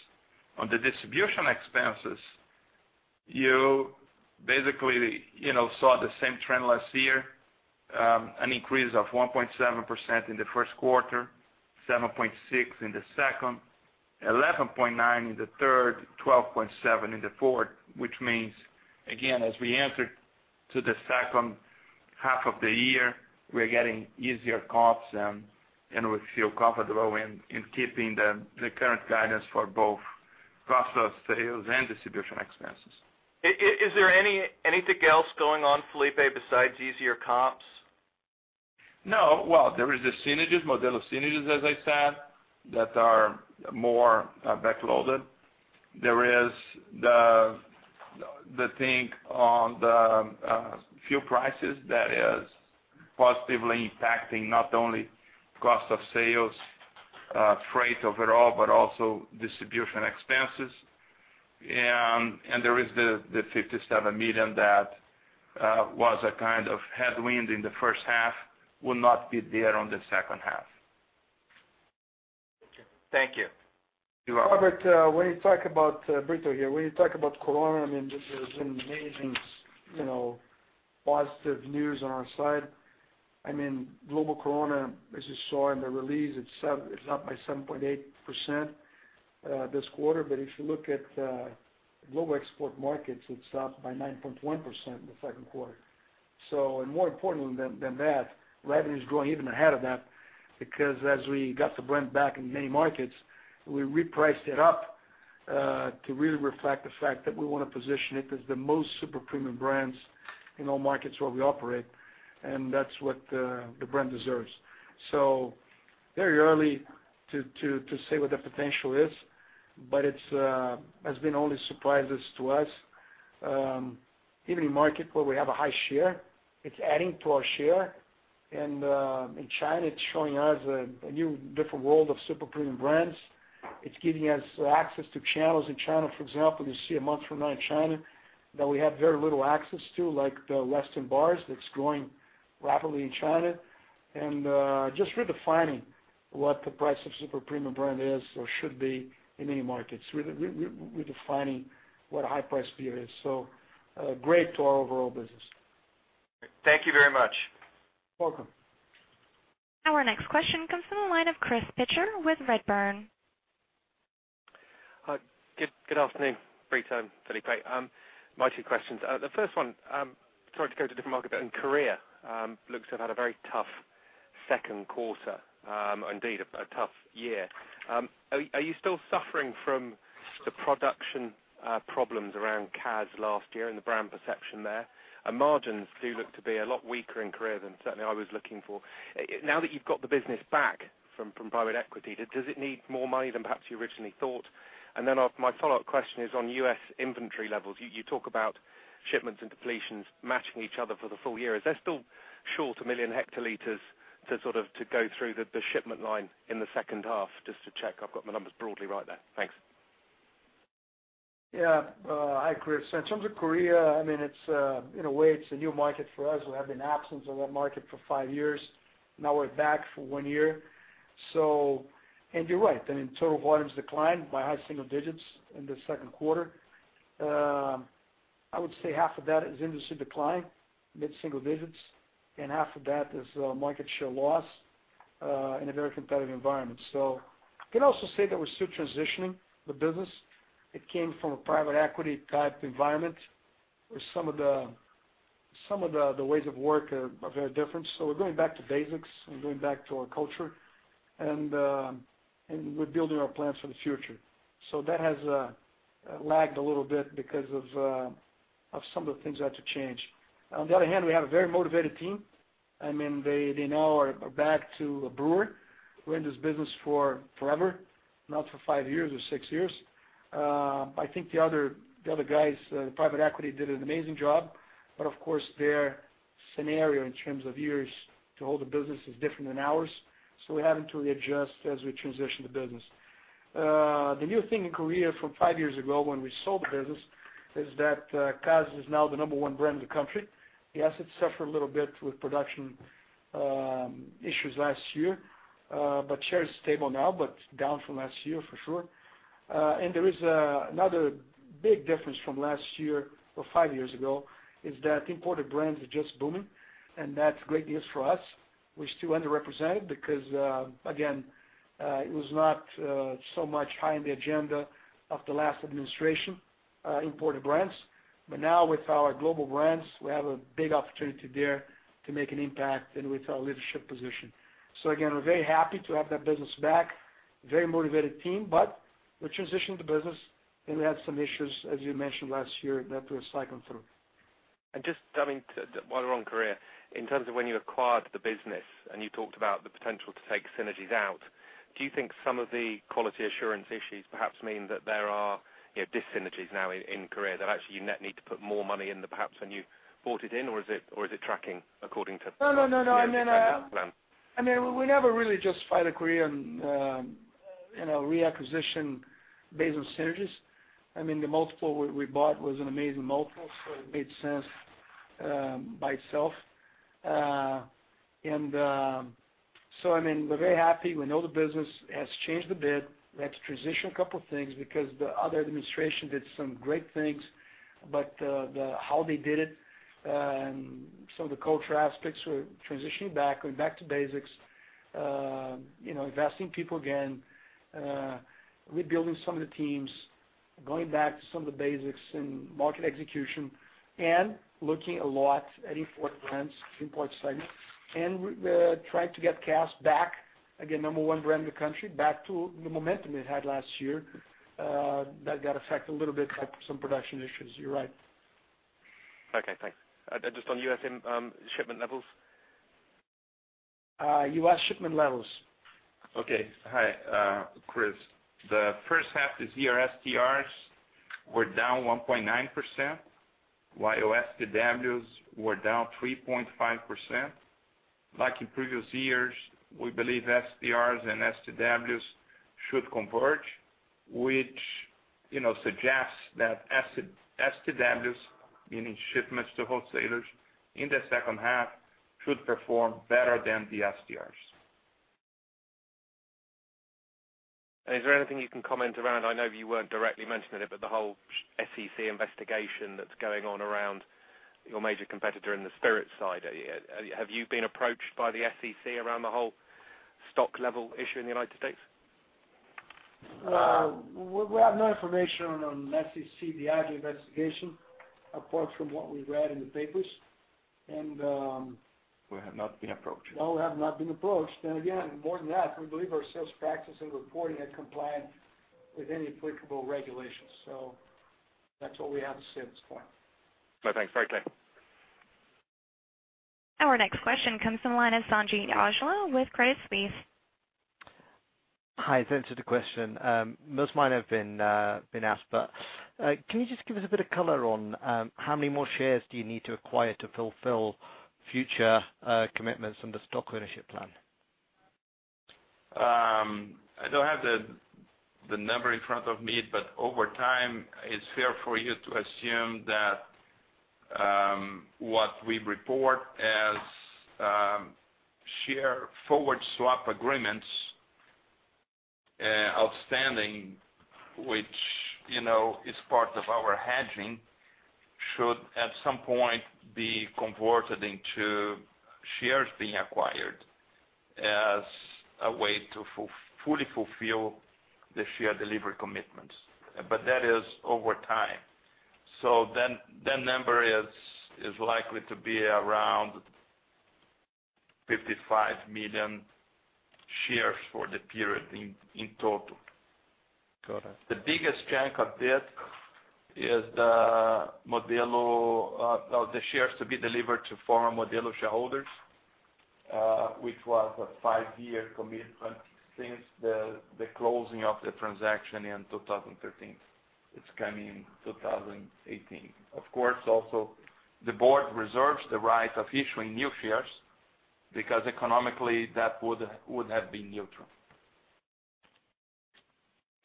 On the distribution expenses, you basically saw the same trend last year, an increase of 1.7% in the first quarter, 7.6% in the second, 11.9% in the third, 12.7% in the fourth, which means, again, as we enter to the second half of the year, we're getting easier comps and we feel comfortable in keeping the current guidance for both cost of sales and distribution expenses. Is there anything else going on, Felipe, besides easier comps? No. Well, there is the synergies, Modelo synergies as I said, that are more back-loaded. There is the thing on the fuel prices that is positively impacting not only cost of sales, freight overall, but also distribution expenses. There is the $57 million that was a kind of headwind in the first half, will not be there on the second half. Thank you Robert, when you talk about, Brito here, when you talk about Corona, this has been amazing positive news on our side. Global Corona, as you saw in the release, it's up by 7.8% this quarter. If you look at global export markets, it's up by 9.1% in the second quarter. More importantly than that, revenue's growing even ahead of that, because as we got the brand back in many markets, we repriced it up, to really reflect the fact that we want to position it as the most super premium brands in all markets where we operate, and that's what the brand deserves. Very early to say what the potential is, but it's been only surprises to us. Even in market where we have a high share, it's adding to our share, and in China, it's showing us a new different world of super premium brands. It's giving us access to channels in China, for example, you see a month from now in China that we have very little access to, like the western bars that's growing rapidly in China. Just redefining what the price of super premium brand is or should be in many markets. Redefining what a high price beer is. Great to our overall business. Thank you very much. Welcome. Our next question comes from the line of Chris Pitcher with Redburn. Hi. Good afternoon, Brito and Felipe. My two questions. The first one, trying to go to a different market, but in Korea, looks to have had a very tough second quarter, indeed a tough year. Are you still suffering from the production problems around Cass last year and the brand perception there? Margins do look to be a lot weaker in Korea than certainly I was looking for. Now that you've got the business back from private equity, does it need more money than perhaps you originally thought? My follow-up question is on U.S. inventory levels. You talk about shipments and depletions matching each other for the full year. Is that still short 1 million hectoliters to sort of go through the shipment line in the second half? Just to check I've got my numbers broadly right there. Thanks. Yeah. Hi, Chris. In terms of Korea, in a way, it's a new market for us. We have been absent from that market for five years. Now we're back for one year. You're right, total volumes declined by high single digits in the second quarter. I would say half of that is industry decline, mid-single digits, and half of that is market share loss, in a very competitive environment. I can also say that we're still transitioning the business. It came from a private equity-type environment, where some of the ways of work are very different. We're going back to basics and going back to our culture, and we're building our plans for the future. That has lagged a little bit because of some of the things we had to change. On the other hand, we have a very motivated team. They now are back to a brewer. We're in this business for forever, not for five years or six years. Of course, their scenario in terms of years to hold the business is different than ours. We're having to readjust as we transition the business. The new thing in Korea from five years ago when we sold the business is that, Cass is now the number 1 brand in the country. Yes, it suffered a little bit with production issues last year. Share is stable now, but down from last year for sure. There is another big difference from last year or five years ago, is that imported brands are just booming, and that's great news for us. We're still underrepresented because, again, it was not so much high on the agenda of the last administration, imported brands. Now with our global brands, we have a big opportunity there to make an impact and with our leadership position. Again, we're very happy to have that business back, very motivated team, but we're transitioning the business, and we had some issues, as you mentioned, last year that we're cycling through. Just diving while we're on Korea, in terms of when you acquired the business and you talked about the potential to take synergies out, do you think some of the quality assurance issues perhaps mean that there are dyssynergies now in Korea, that actually you now need to put more money in than perhaps when you bought it in? Or is it tracking according to- No. the original plan? We never really just filed a Korean reacquisition based on synergies. The multiple we bought was an amazing multiple, so it made sense by itself. We're very happy. We know the business has changed a bit. We had to transition a couple of things because the other administration did some great things. How they did it, some of the culture aspects we're transitioning back, going back to basics. Investing people again, rebuilding some of the teams, going back to some of the basics in market execution, and looking a lot at import brands, import segment. We're trying to get Cass back, again, number one brand in the country, back to the momentum it had last year, that got affected a little bit by some production issues. You're right. Okay, thanks. Just on U.S. shipment levels. U.S. shipment levels. Okay. Hi, Chris. The first half this year, STRs were down 1.9%, while STWs were down 3.5%. Like in previous years, we believe STRs and STWs should converge, which suggests that STWs, meaning shipments to wholesalers in the second half, should perform better than the STRs. Is there anything you can comment around, I know you weren't directly mentioning it, but the whole SEC investigation that's going on around your major competitor in the spirits side. Have you been approached by the SEC around the whole stock level issue in the United States? We have no information on the SEC, the actual investigation, apart from what we read in the papers. We have not been approached. No, we have not been approached. Again, more than that, we believe our sales practice and reporting are compliant with any applicable regulations. That's all we have to say at this point. No, thanks. Very clear. Our next question comes from the line of Sanjeet Aujla with Credit Suisse. Hi. Thanks for the question. Most might have been asked, can you just give us a bit of color on how many more shares do you need to acquire to fulfill future commitments under stock ownership plan? I don't have the number in front of me, but over time, it's fair for you to assume that what we report as share forward swap agreements outstanding, which is part of our hedging, should at some point be converted into shares being acquired as a way to fully fulfill the share delivery commitments. That is over time. That number is likely to be around 55 million shares for the period in total. Got it. The biggest chunk of it is the shares to be delivered to former Modelo shareholders, which was a five-year commitment since the closing of the transaction in 2013. It's coming in 2018. Of course, also, the board reserves the right of issuing new shares because economically that would have been neutral.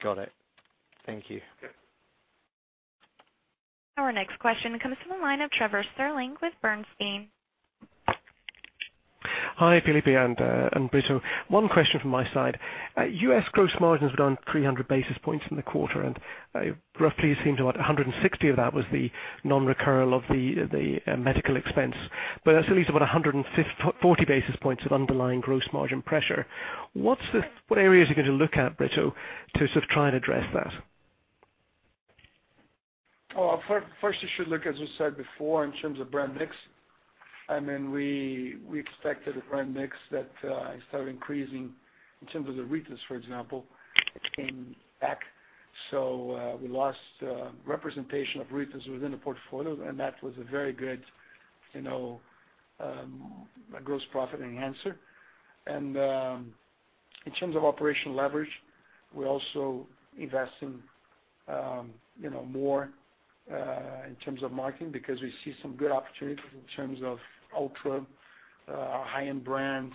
Got it. Thank you. Yeah. Our next question comes from the line of Trevor Stirling with Bernstein. Hi, Felipe and Brito. One question from my side. U.S. gross margins were down 300 basis points in the quarter, and roughly it seems about 160 of that was the non-recurral of the medical expense. That's at least about 140 basis points of underlying gross margin pressure. What areas are you going to look at, Brito, to sort of try and address that? First, you should look, as we said before, in terms of brand mix, we expected a brand mix that started increasing in terms of the Ritas, for example, came back. We lost representation of Ritas within the portfolio, and that was a very good gross profit enhancer. In terms of operational leverage, we're also investing more in terms of marketing because we see some good opportunities in terms of ultra high-end brands,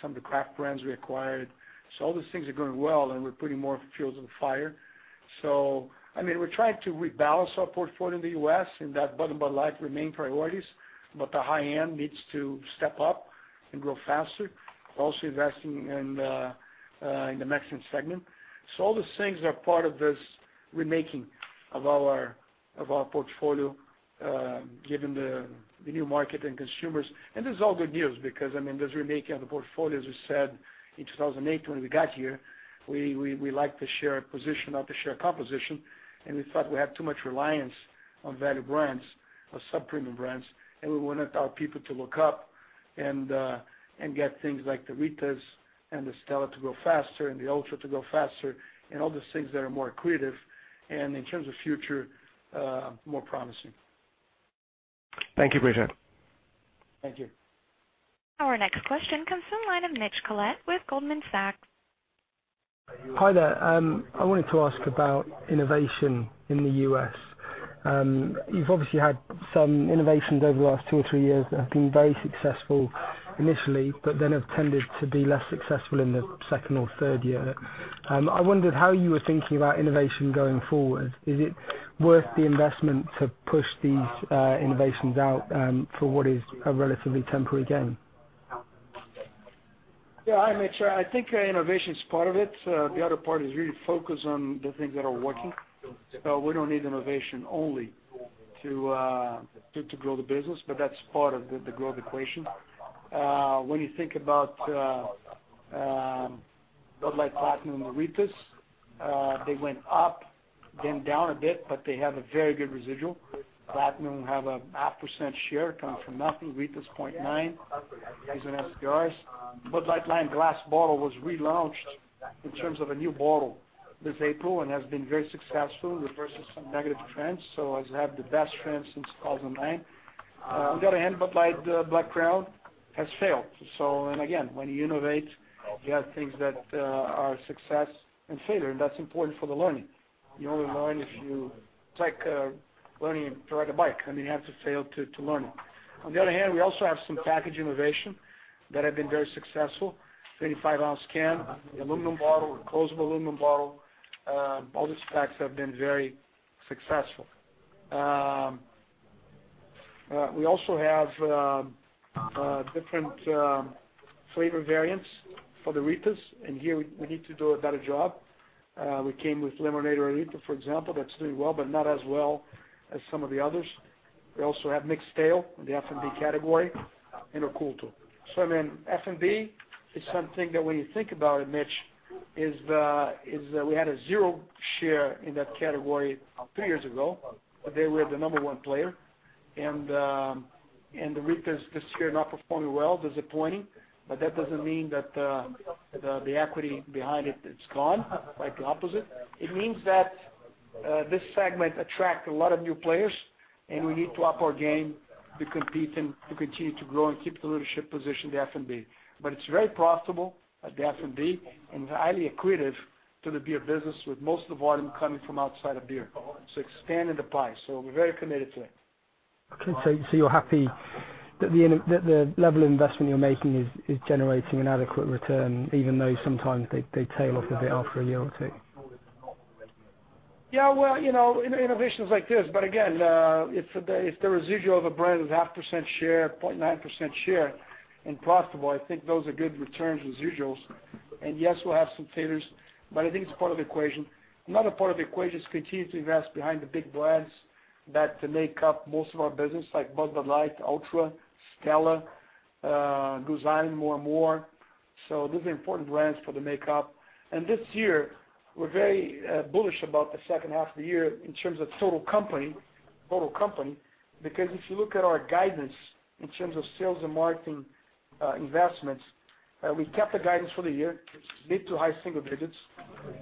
some of the craft brands we acquired. All these things are going well, and we're putting more fuel to the fire. We're trying to rebalance our portfolio in the U.S. and that Bud and Bud Light remain priorities, the high-end needs to step up and grow faster. We're also investing in the Mexican segment. All these things are part of this remaking of our portfolio, given the new market and consumers. This is all good news because this remaking of the portfolio, as we said in 2018 when we got here, we like the share position, not the share composition, we thought we had too much reliance on value brands or sub-premium brands, we wanted our people to look up and get things like the Ritas and the Stella to grow faster the Ultra to grow faster all these things that are more accretive and in terms of future, more promising. Thank you, Brito. Thank you. Our next question comes from the line of Mitch Collett with Goldman Sachs. Hi there. I wanted to ask about innovation in the U.S. You've obviously had some innovations over the last two or three years that have been very successful initially, but then have tended to be less successful in the second or third year. I wondered how you were thinking about innovation going forward. Is it worth the investment to push these innovations out for what is a relatively temporary gain? Yeah. Hi, Nick. Sure. I think innovation is part of it. The other part is really focus on the things that are working. We don't need innovation only to grow the business, but that's part of the growth equation. When you think about Bud Light Platinum and the Ritas, they went up, then down a bit, but they have a very good residual. Platinum have a half % share coming from nothing. Rita is 0.9, these are in STRs. Bud Light Lime glass bottle was relaunched in terms of a new bottle this April and has been very successful, reverses some negative trends. It's had the best trend since 2009. On the other hand, Budweiser Black Crown has failed. Again, when you innovate, you have things that are success and failure, and that's important for the learning. You only learn if you, it's like learning to ride a bike. You have to fail to learn. On the other hand, we also have some package innovation that have been very successful. 25 ounce can, the aluminum bottle, reclosable aluminum bottle, all these packs have been very successful. We also have different flavor variants for the Ritas, and here we need to do a better job. We came with Lime-A-Rita, for example. That's doing well, but not as well as some of the others. We also have MIXXTAIL in the FMB category, and Cuul too. FMB is something that when you think about it, Mitch, is that we had a 0 share in that category three years ago. They were the number 1 player, and the Ritas this year not performing well, disappointing. That doesn't mean that the equity behind it is gone, quite the opposite. It means that this segment attract a lot of new players, and we need to up our game to compete and to continue to grow and keep the leadership position of the FMB. It's very profitable at the FMB and is highly accretive to the beer business, with most of the volume coming from outside of beer. Expanding the pie. We're very committed to it. You're happy that the level of investment you're making is generating an adequate return, even though sometimes they tail off a bit after a year or two? Yeah. In innovations like this, again, if the residual of a brand is 0.5% share, 0.9% share and profitable, I think those are good return residuals. Yes, we'll have some failures, but I think it's part of the equation. Another part of the equation is continue to invest behind the big brands that make up most of our business, like Bud Light, Ultra, Stella, Goose Island more and more. These are important brands for the makeup. This year, we're very bullish about the second half of the year in terms of total company, because if you look at our guidance in terms of sales and marketing investments, we kept the guidance for the year mid to high single digits.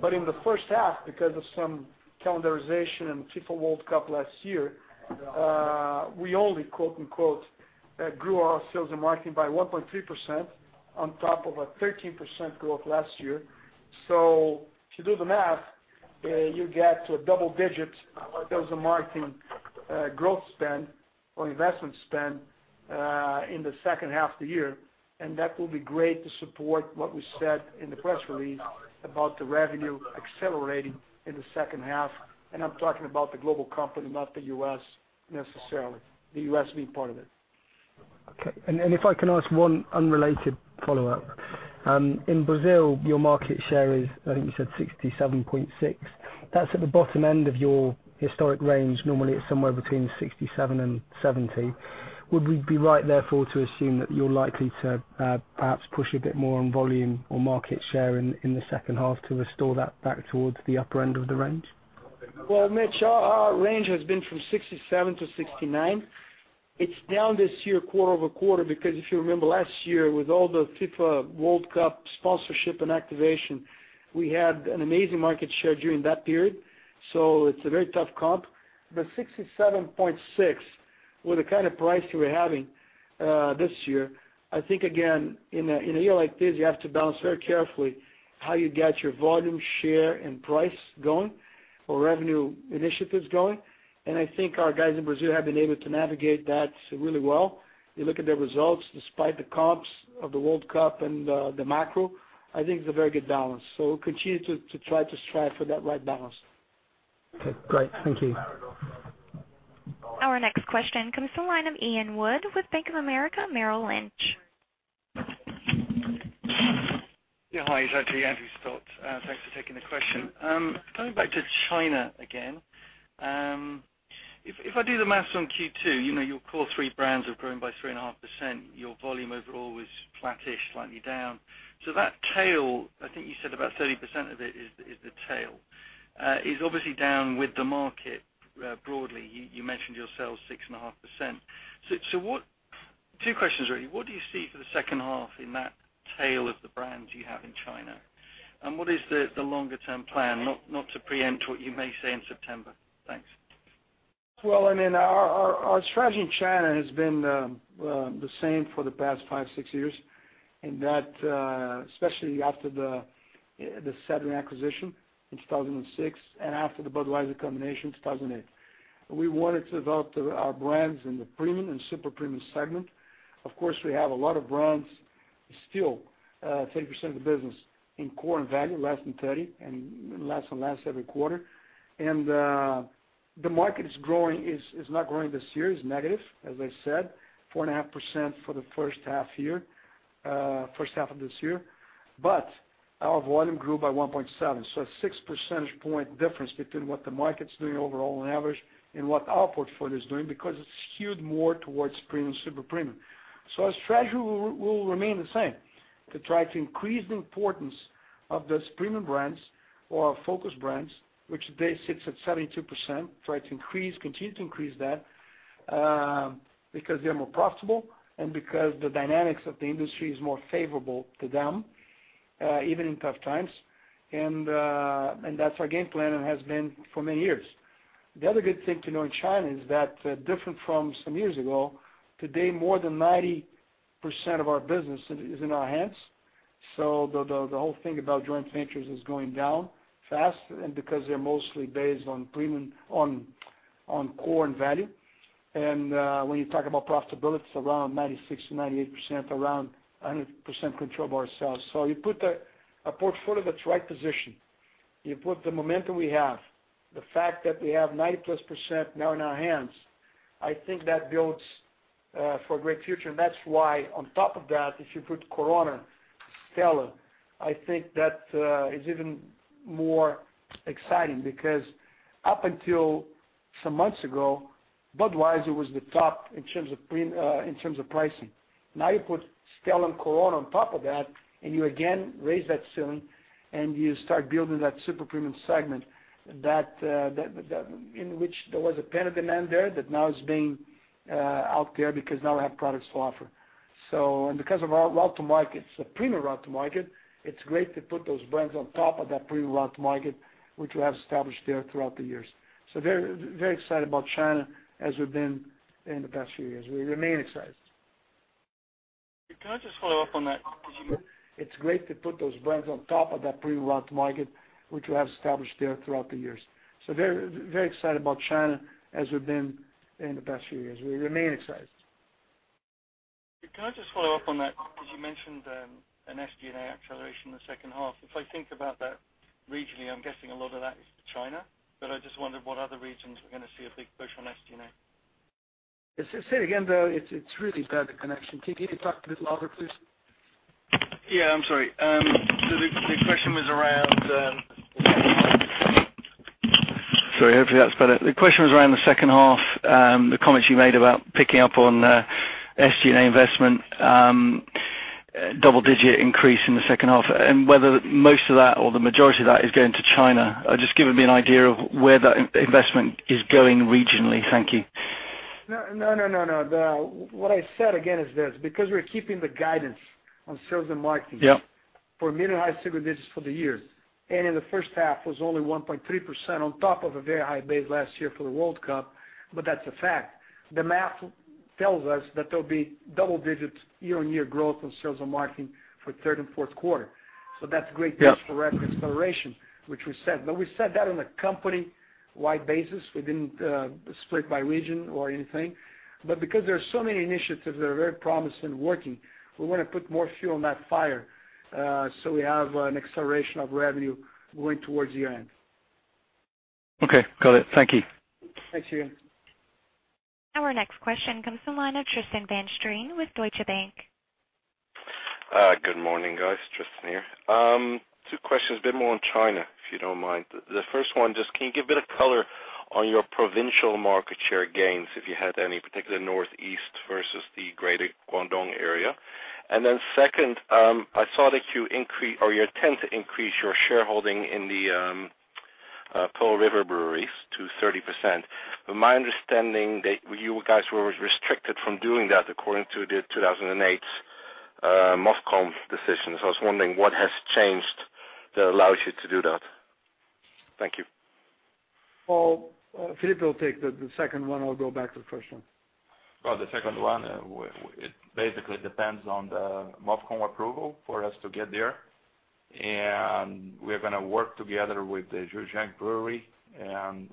In the first half, because of some calendarization and FIFA World Cup last year, we only grew our sales and marketing by 1.3% on top of a 13% growth last year. If you do the math, you get to a double digit sales and marketing growth spend or investment spend in the second half of the year, that will be great to support what we said in the press release about the revenue accelerating in the second half. I'm talking about the global company, not the U.S. necessarily. The U.S. being part of it. Okay. If I can ask one unrelated follow-up. In Brazil, your market share is, I think you said 67.6. That's at the bottom end of your historic range. Normally, it's somewhere between 67 and 70. Would we be right therefore to assume that you're likely to perhaps push a bit more on volume or market share in the second half to restore that back towards the upper end of the range? Mitch, our range has been from 67 to 69. It's down this year, quarter-over-quarter, because if you remember last year with all the FIFA World Cup sponsorship and activation, we had an amazing market share during that period. It's a very tough comp. 67.6 with the kind of price we're having this year, I think again, in a year like this, you have to balance very carefully how you get your volume share and price going or revenue initiatives going. I think our guys in Brazil have been able to navigate that really well. You look at their results despite the comps of the World Cup and the macro, I think it's a very good balance. We'll continue to try to strive for that right balance. Okay, great. Thank you. Our next question comes to the line of Ian Wood with Bank of America, Merrill Lynch. Hi, it's actually Andrew Stott. Thanks for taking the question. Coming back to China again. If I do the maths on Q2, your core three brands have grown by 3.5%. Your volume overall was flattish, slightly down. That tail, I think you said about 30% of it is the tail. Is obviously down with the market broadly. You mentioned your sales 6.5%. Two questions really. What do you see for the second half in that tail of the brands you have in China? What is the longer-term plan? Not to preempt what you may say in September. Thanks. Well, our strategy in China has been the same for the past five, six years, and that especially after the Sedrin acquisition in 2006 and after the Budweiser combination, 2008. We wanted to develop our brands in the premium and super-premium segment. Of course, we have a lot of brands still, 30% of the business in core and value, less than 30, and less and less every quarter. The market is not growing this year, it's negative, as I said, 4.5% for the first half of this year. Our volume grew by 1.7%. A six percentage point difference between what the market's doing overall on average and what our portfolio is doing because it's skewed more towards premium, super-premium. Our strategy will remain the same, to try to increase the importance of those premium brands or our focus brands, which today sits at 72%, try to increase, continue to increase that, because they're more profitable and because the dynamics of the industry is more favorable to them, even in tough times. That's our game plan and has been for many years. The other good thing to know in China is that different from some years ago, today more than 90% of our business is in our hands. The whole thing about joint ventures is going down fast, because they're mostly based on core and value. When you talk about profitability, it's around 96%-98%, around 100% control of our sales. You put a portfolio that's right positioned. You put the momentum we have, the fact that we have 90-plus % now in our hands, I think that builds for a great future. That's why, on top of that, if you put Corona, Stella, I think that is even more exciting because up until some months ago, Budweiser was the top in terms of pricing. Now you put Stella and Corona on top of that, you again raise that ceiling, you start building that super premium segment, in which there was a pent-up demand there that now is being out there because now we have products to offer. Because of our route to market, it's a premium route to market, it's great to put those brands on top of that premium route to market, which we have established there throughout the years. Very excited about China as we've been in the past few years. We remain excited. Can I just follow up on that? Because you- It's great to put those brands on top of that premium route to market, which we have established there throughout the years. Very excited about China as we've been in the past few years. We remain excited. Can I just follow up on that? You mentioned an SG&A acceleration in the second half. If I think about that regionally, I'm guessing a lot of that is for China, but I just wondered what other regions we're going to see a big push on SG&A. Say again, though, it's really bad, the connection. Can you talk a little louder, please? Yeah, I'm sorry. The question was around Sorry, hopefully that's better. The question was around the second half, the comments you made about picking up on SG&A investment, double-digit increase in the second half, and whether most of that or the majority of that is going to China. Just give me an idea of where that investment is going regionally. Thank you. No. What I said again is this, we're keeping the guidance on sales and marketing. Yeah for mid-single digits for the year, in the first half was only 1.3% on top of a very high base last year for the World Cup, that's a fact. The math tells us that there'll be double digits year-over-year growth on sales and marketing for third and fourth quarter. That's a great base. Yeah for revenue acceleration, which we said. We said that on a company-wide basis. We didn't split by region or anything. Because there are so many initiatives that are very promising working, we want to put more fuel on that fire, we have an acceleration of revenue going towards year-end. Okay, got it. Thank you. Thanks, Ian. Our next question comes from the line of Tristan van Strien with Deutsche Bank. Good morning, guys. Tristan here. Two questions, a bit more on China, if you don't mind. The first one, just can you give a bit of color on your provincial market share gains, if you had any, particularly Northeast versus the Greater Guangdong area? Second, I saw that you intend to increase your shareholding in the Pearl River breweries to 30%. My understanding that you guys were restricted from doing that according to the 2008 MOFCOM decisions. I was wondering what has changed that allows you to do that. Thank you. Well, Felipe will take the second one. I'll go back to the first one. The second one, it basically depends on the MOFCOM approval for us to get there. We're going to work together with the Zhujiang Brewery and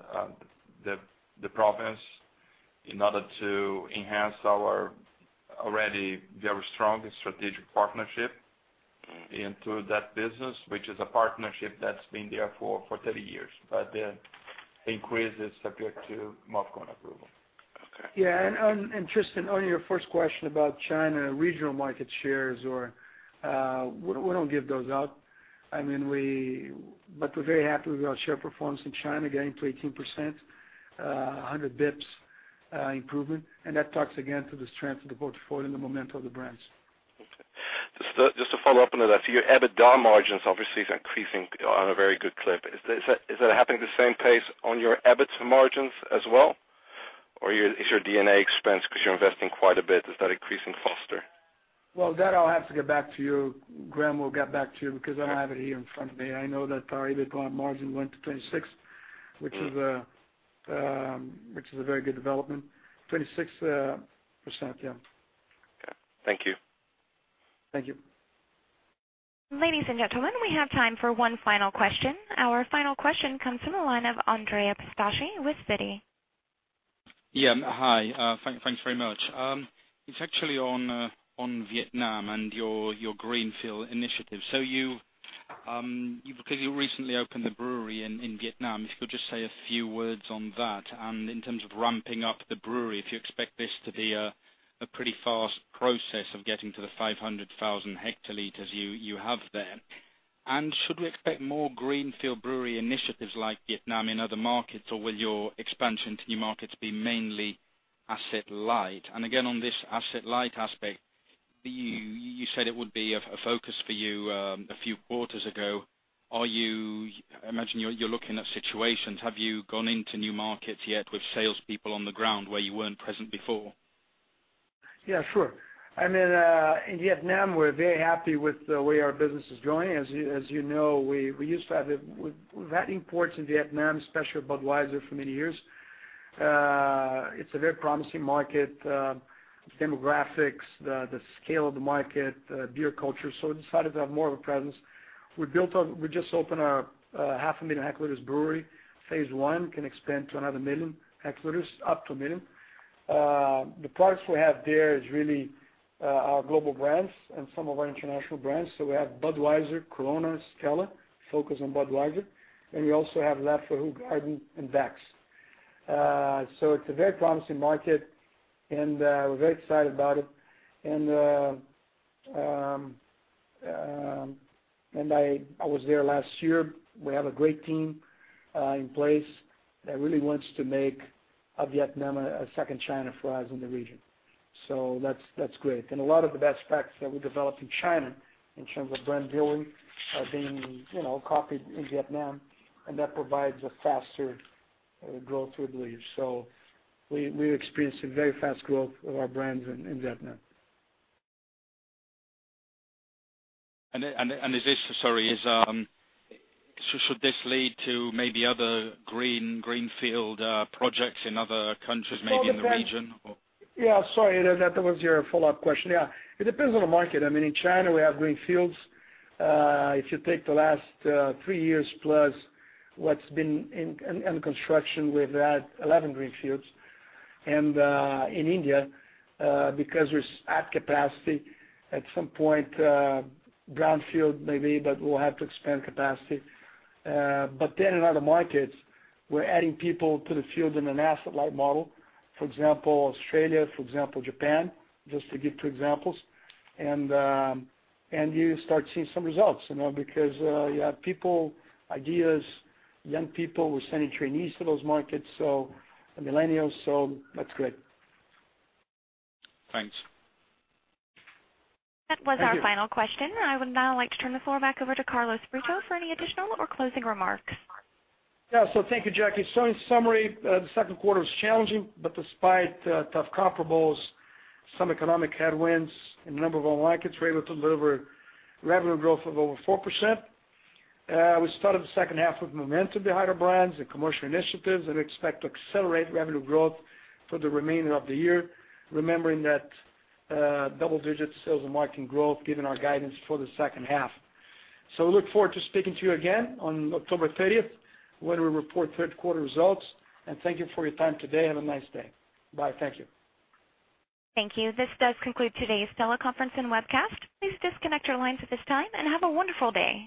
the province in order to enhance our already very strong strategic partnership into that business, which is a partnership that's been there for 30 years. The increase is subject to MOFCOM approval. Okay. Tristan, on your first question about China regional market shares, we don't give those out. We're very happy with our share performance in China, getting to 18%, 100 basis points improvement, and that talks again to the strength of the portfolio and the momentum of the brands. Just to follow up on that, your EBITDA margins obviously is increasing on a very good clip. Is that happening at the same pace on your EBIT margins as well? Or is your D&A expense because you're investing quite a bit, is that increasing faster? That I'll have to get back to you. Graham will get back to you because I don't have it here in front of me. I know that our EBITDA margin went to 26%, which is a very good development. 26%. Okay. Thank you. Thank you. Ladies and gentlemen, we have time for one final question. Our final question comes from the line of Andrea Pistacchi with Citi. Yeah, hi. Thanks very much. It's actually on Vietnam and your greenfield initiative. Because you recently opened a brewery in Vietnam, if you could just say a few words on that and in terms of ramping up the brewery, if you expect this to be a pretty fast process of getting to the 500,000 hectoliters you have there. Should we expect more greenfield brewery initiatives like Vietnam in other markets, or will your expansion to new markets be mainly asset light? Again, on this asset light aspect, you said it would be a focus for you a few quarters ago. I imagine you're looking at situations. Have you gone into new markets yet with salespeople on the ground where you weren't present before? Yeah, sure. In Vietnam, we're very happy with the way our business is going. As you know, we've had imports in Vietnam, especially Budweiser, for many years. It's a very promising market, demographics, the scale of the market, beer culture, we decided to have more of a presence. We just opened a half a million hectoliters brewery. Phase 1 can expand to another 1 million hectoliters, up to 1 million. The products we have there is really our global brands and some of our international brands. We have Budweiser, Corona, Stella, focused on Budweiser, and we also have Leffe, Hoegaarden, and Beck's. It's a very promising market, and we're very excited about it. I was there last year. We have a great team in place that really wants to make Vietnam a second China for us in the region. That's great. A lot of the best practices that we developed in China, in terms of brand building, are being copied in Vietnam, and that provides a faster growth, we believe. We've experienced a very fast growth of our brands in Vietnam. Is this, sorry, should this lead to maybe other greenfield projects in other countries, maybe in the region? Yeah, sorry, that was your follow-up question. Yeah. It depends on the market. In China, we have greenfields. If you take the last three years plus what's been in construction, we've had 11 greenfields. In India, because we're at capacity, at some point, brownfield maybe, but we'll have to expand capacity. In other markets, we're adding people to the field in an asset-light model. For example, Australia, for example, Japan, just to give two examples. You start seeing some results, because you have people, ideas, young people. We're sending trainees to those markets, so the millennials, that's good. Thanks. That was our final question. I would now like to turn the floor back over to Carlos Brito for any additional or closing remarks. Thank you, Jackie. In summary, the second quarter was challenging, but despite tough comparables, some economic headwinds in a number of our markets, we were able to deliver revenue growth of over 4%. We started the second half with momentum behind our brands and commercial initiatives, and we expect to accelerate revenue growth for the remainder of the year, remembering that double-digit sales and marketing growth, given our guidance for the second half. We look forward to speaking to you again on October 30th, when we report third quarter results, and thank you for your time today. Have a nice day. Bye. Thank you. Thank you. This does conclude today's teleconference and webcast. Please disconnect your lines at this time, and have a wonderful day.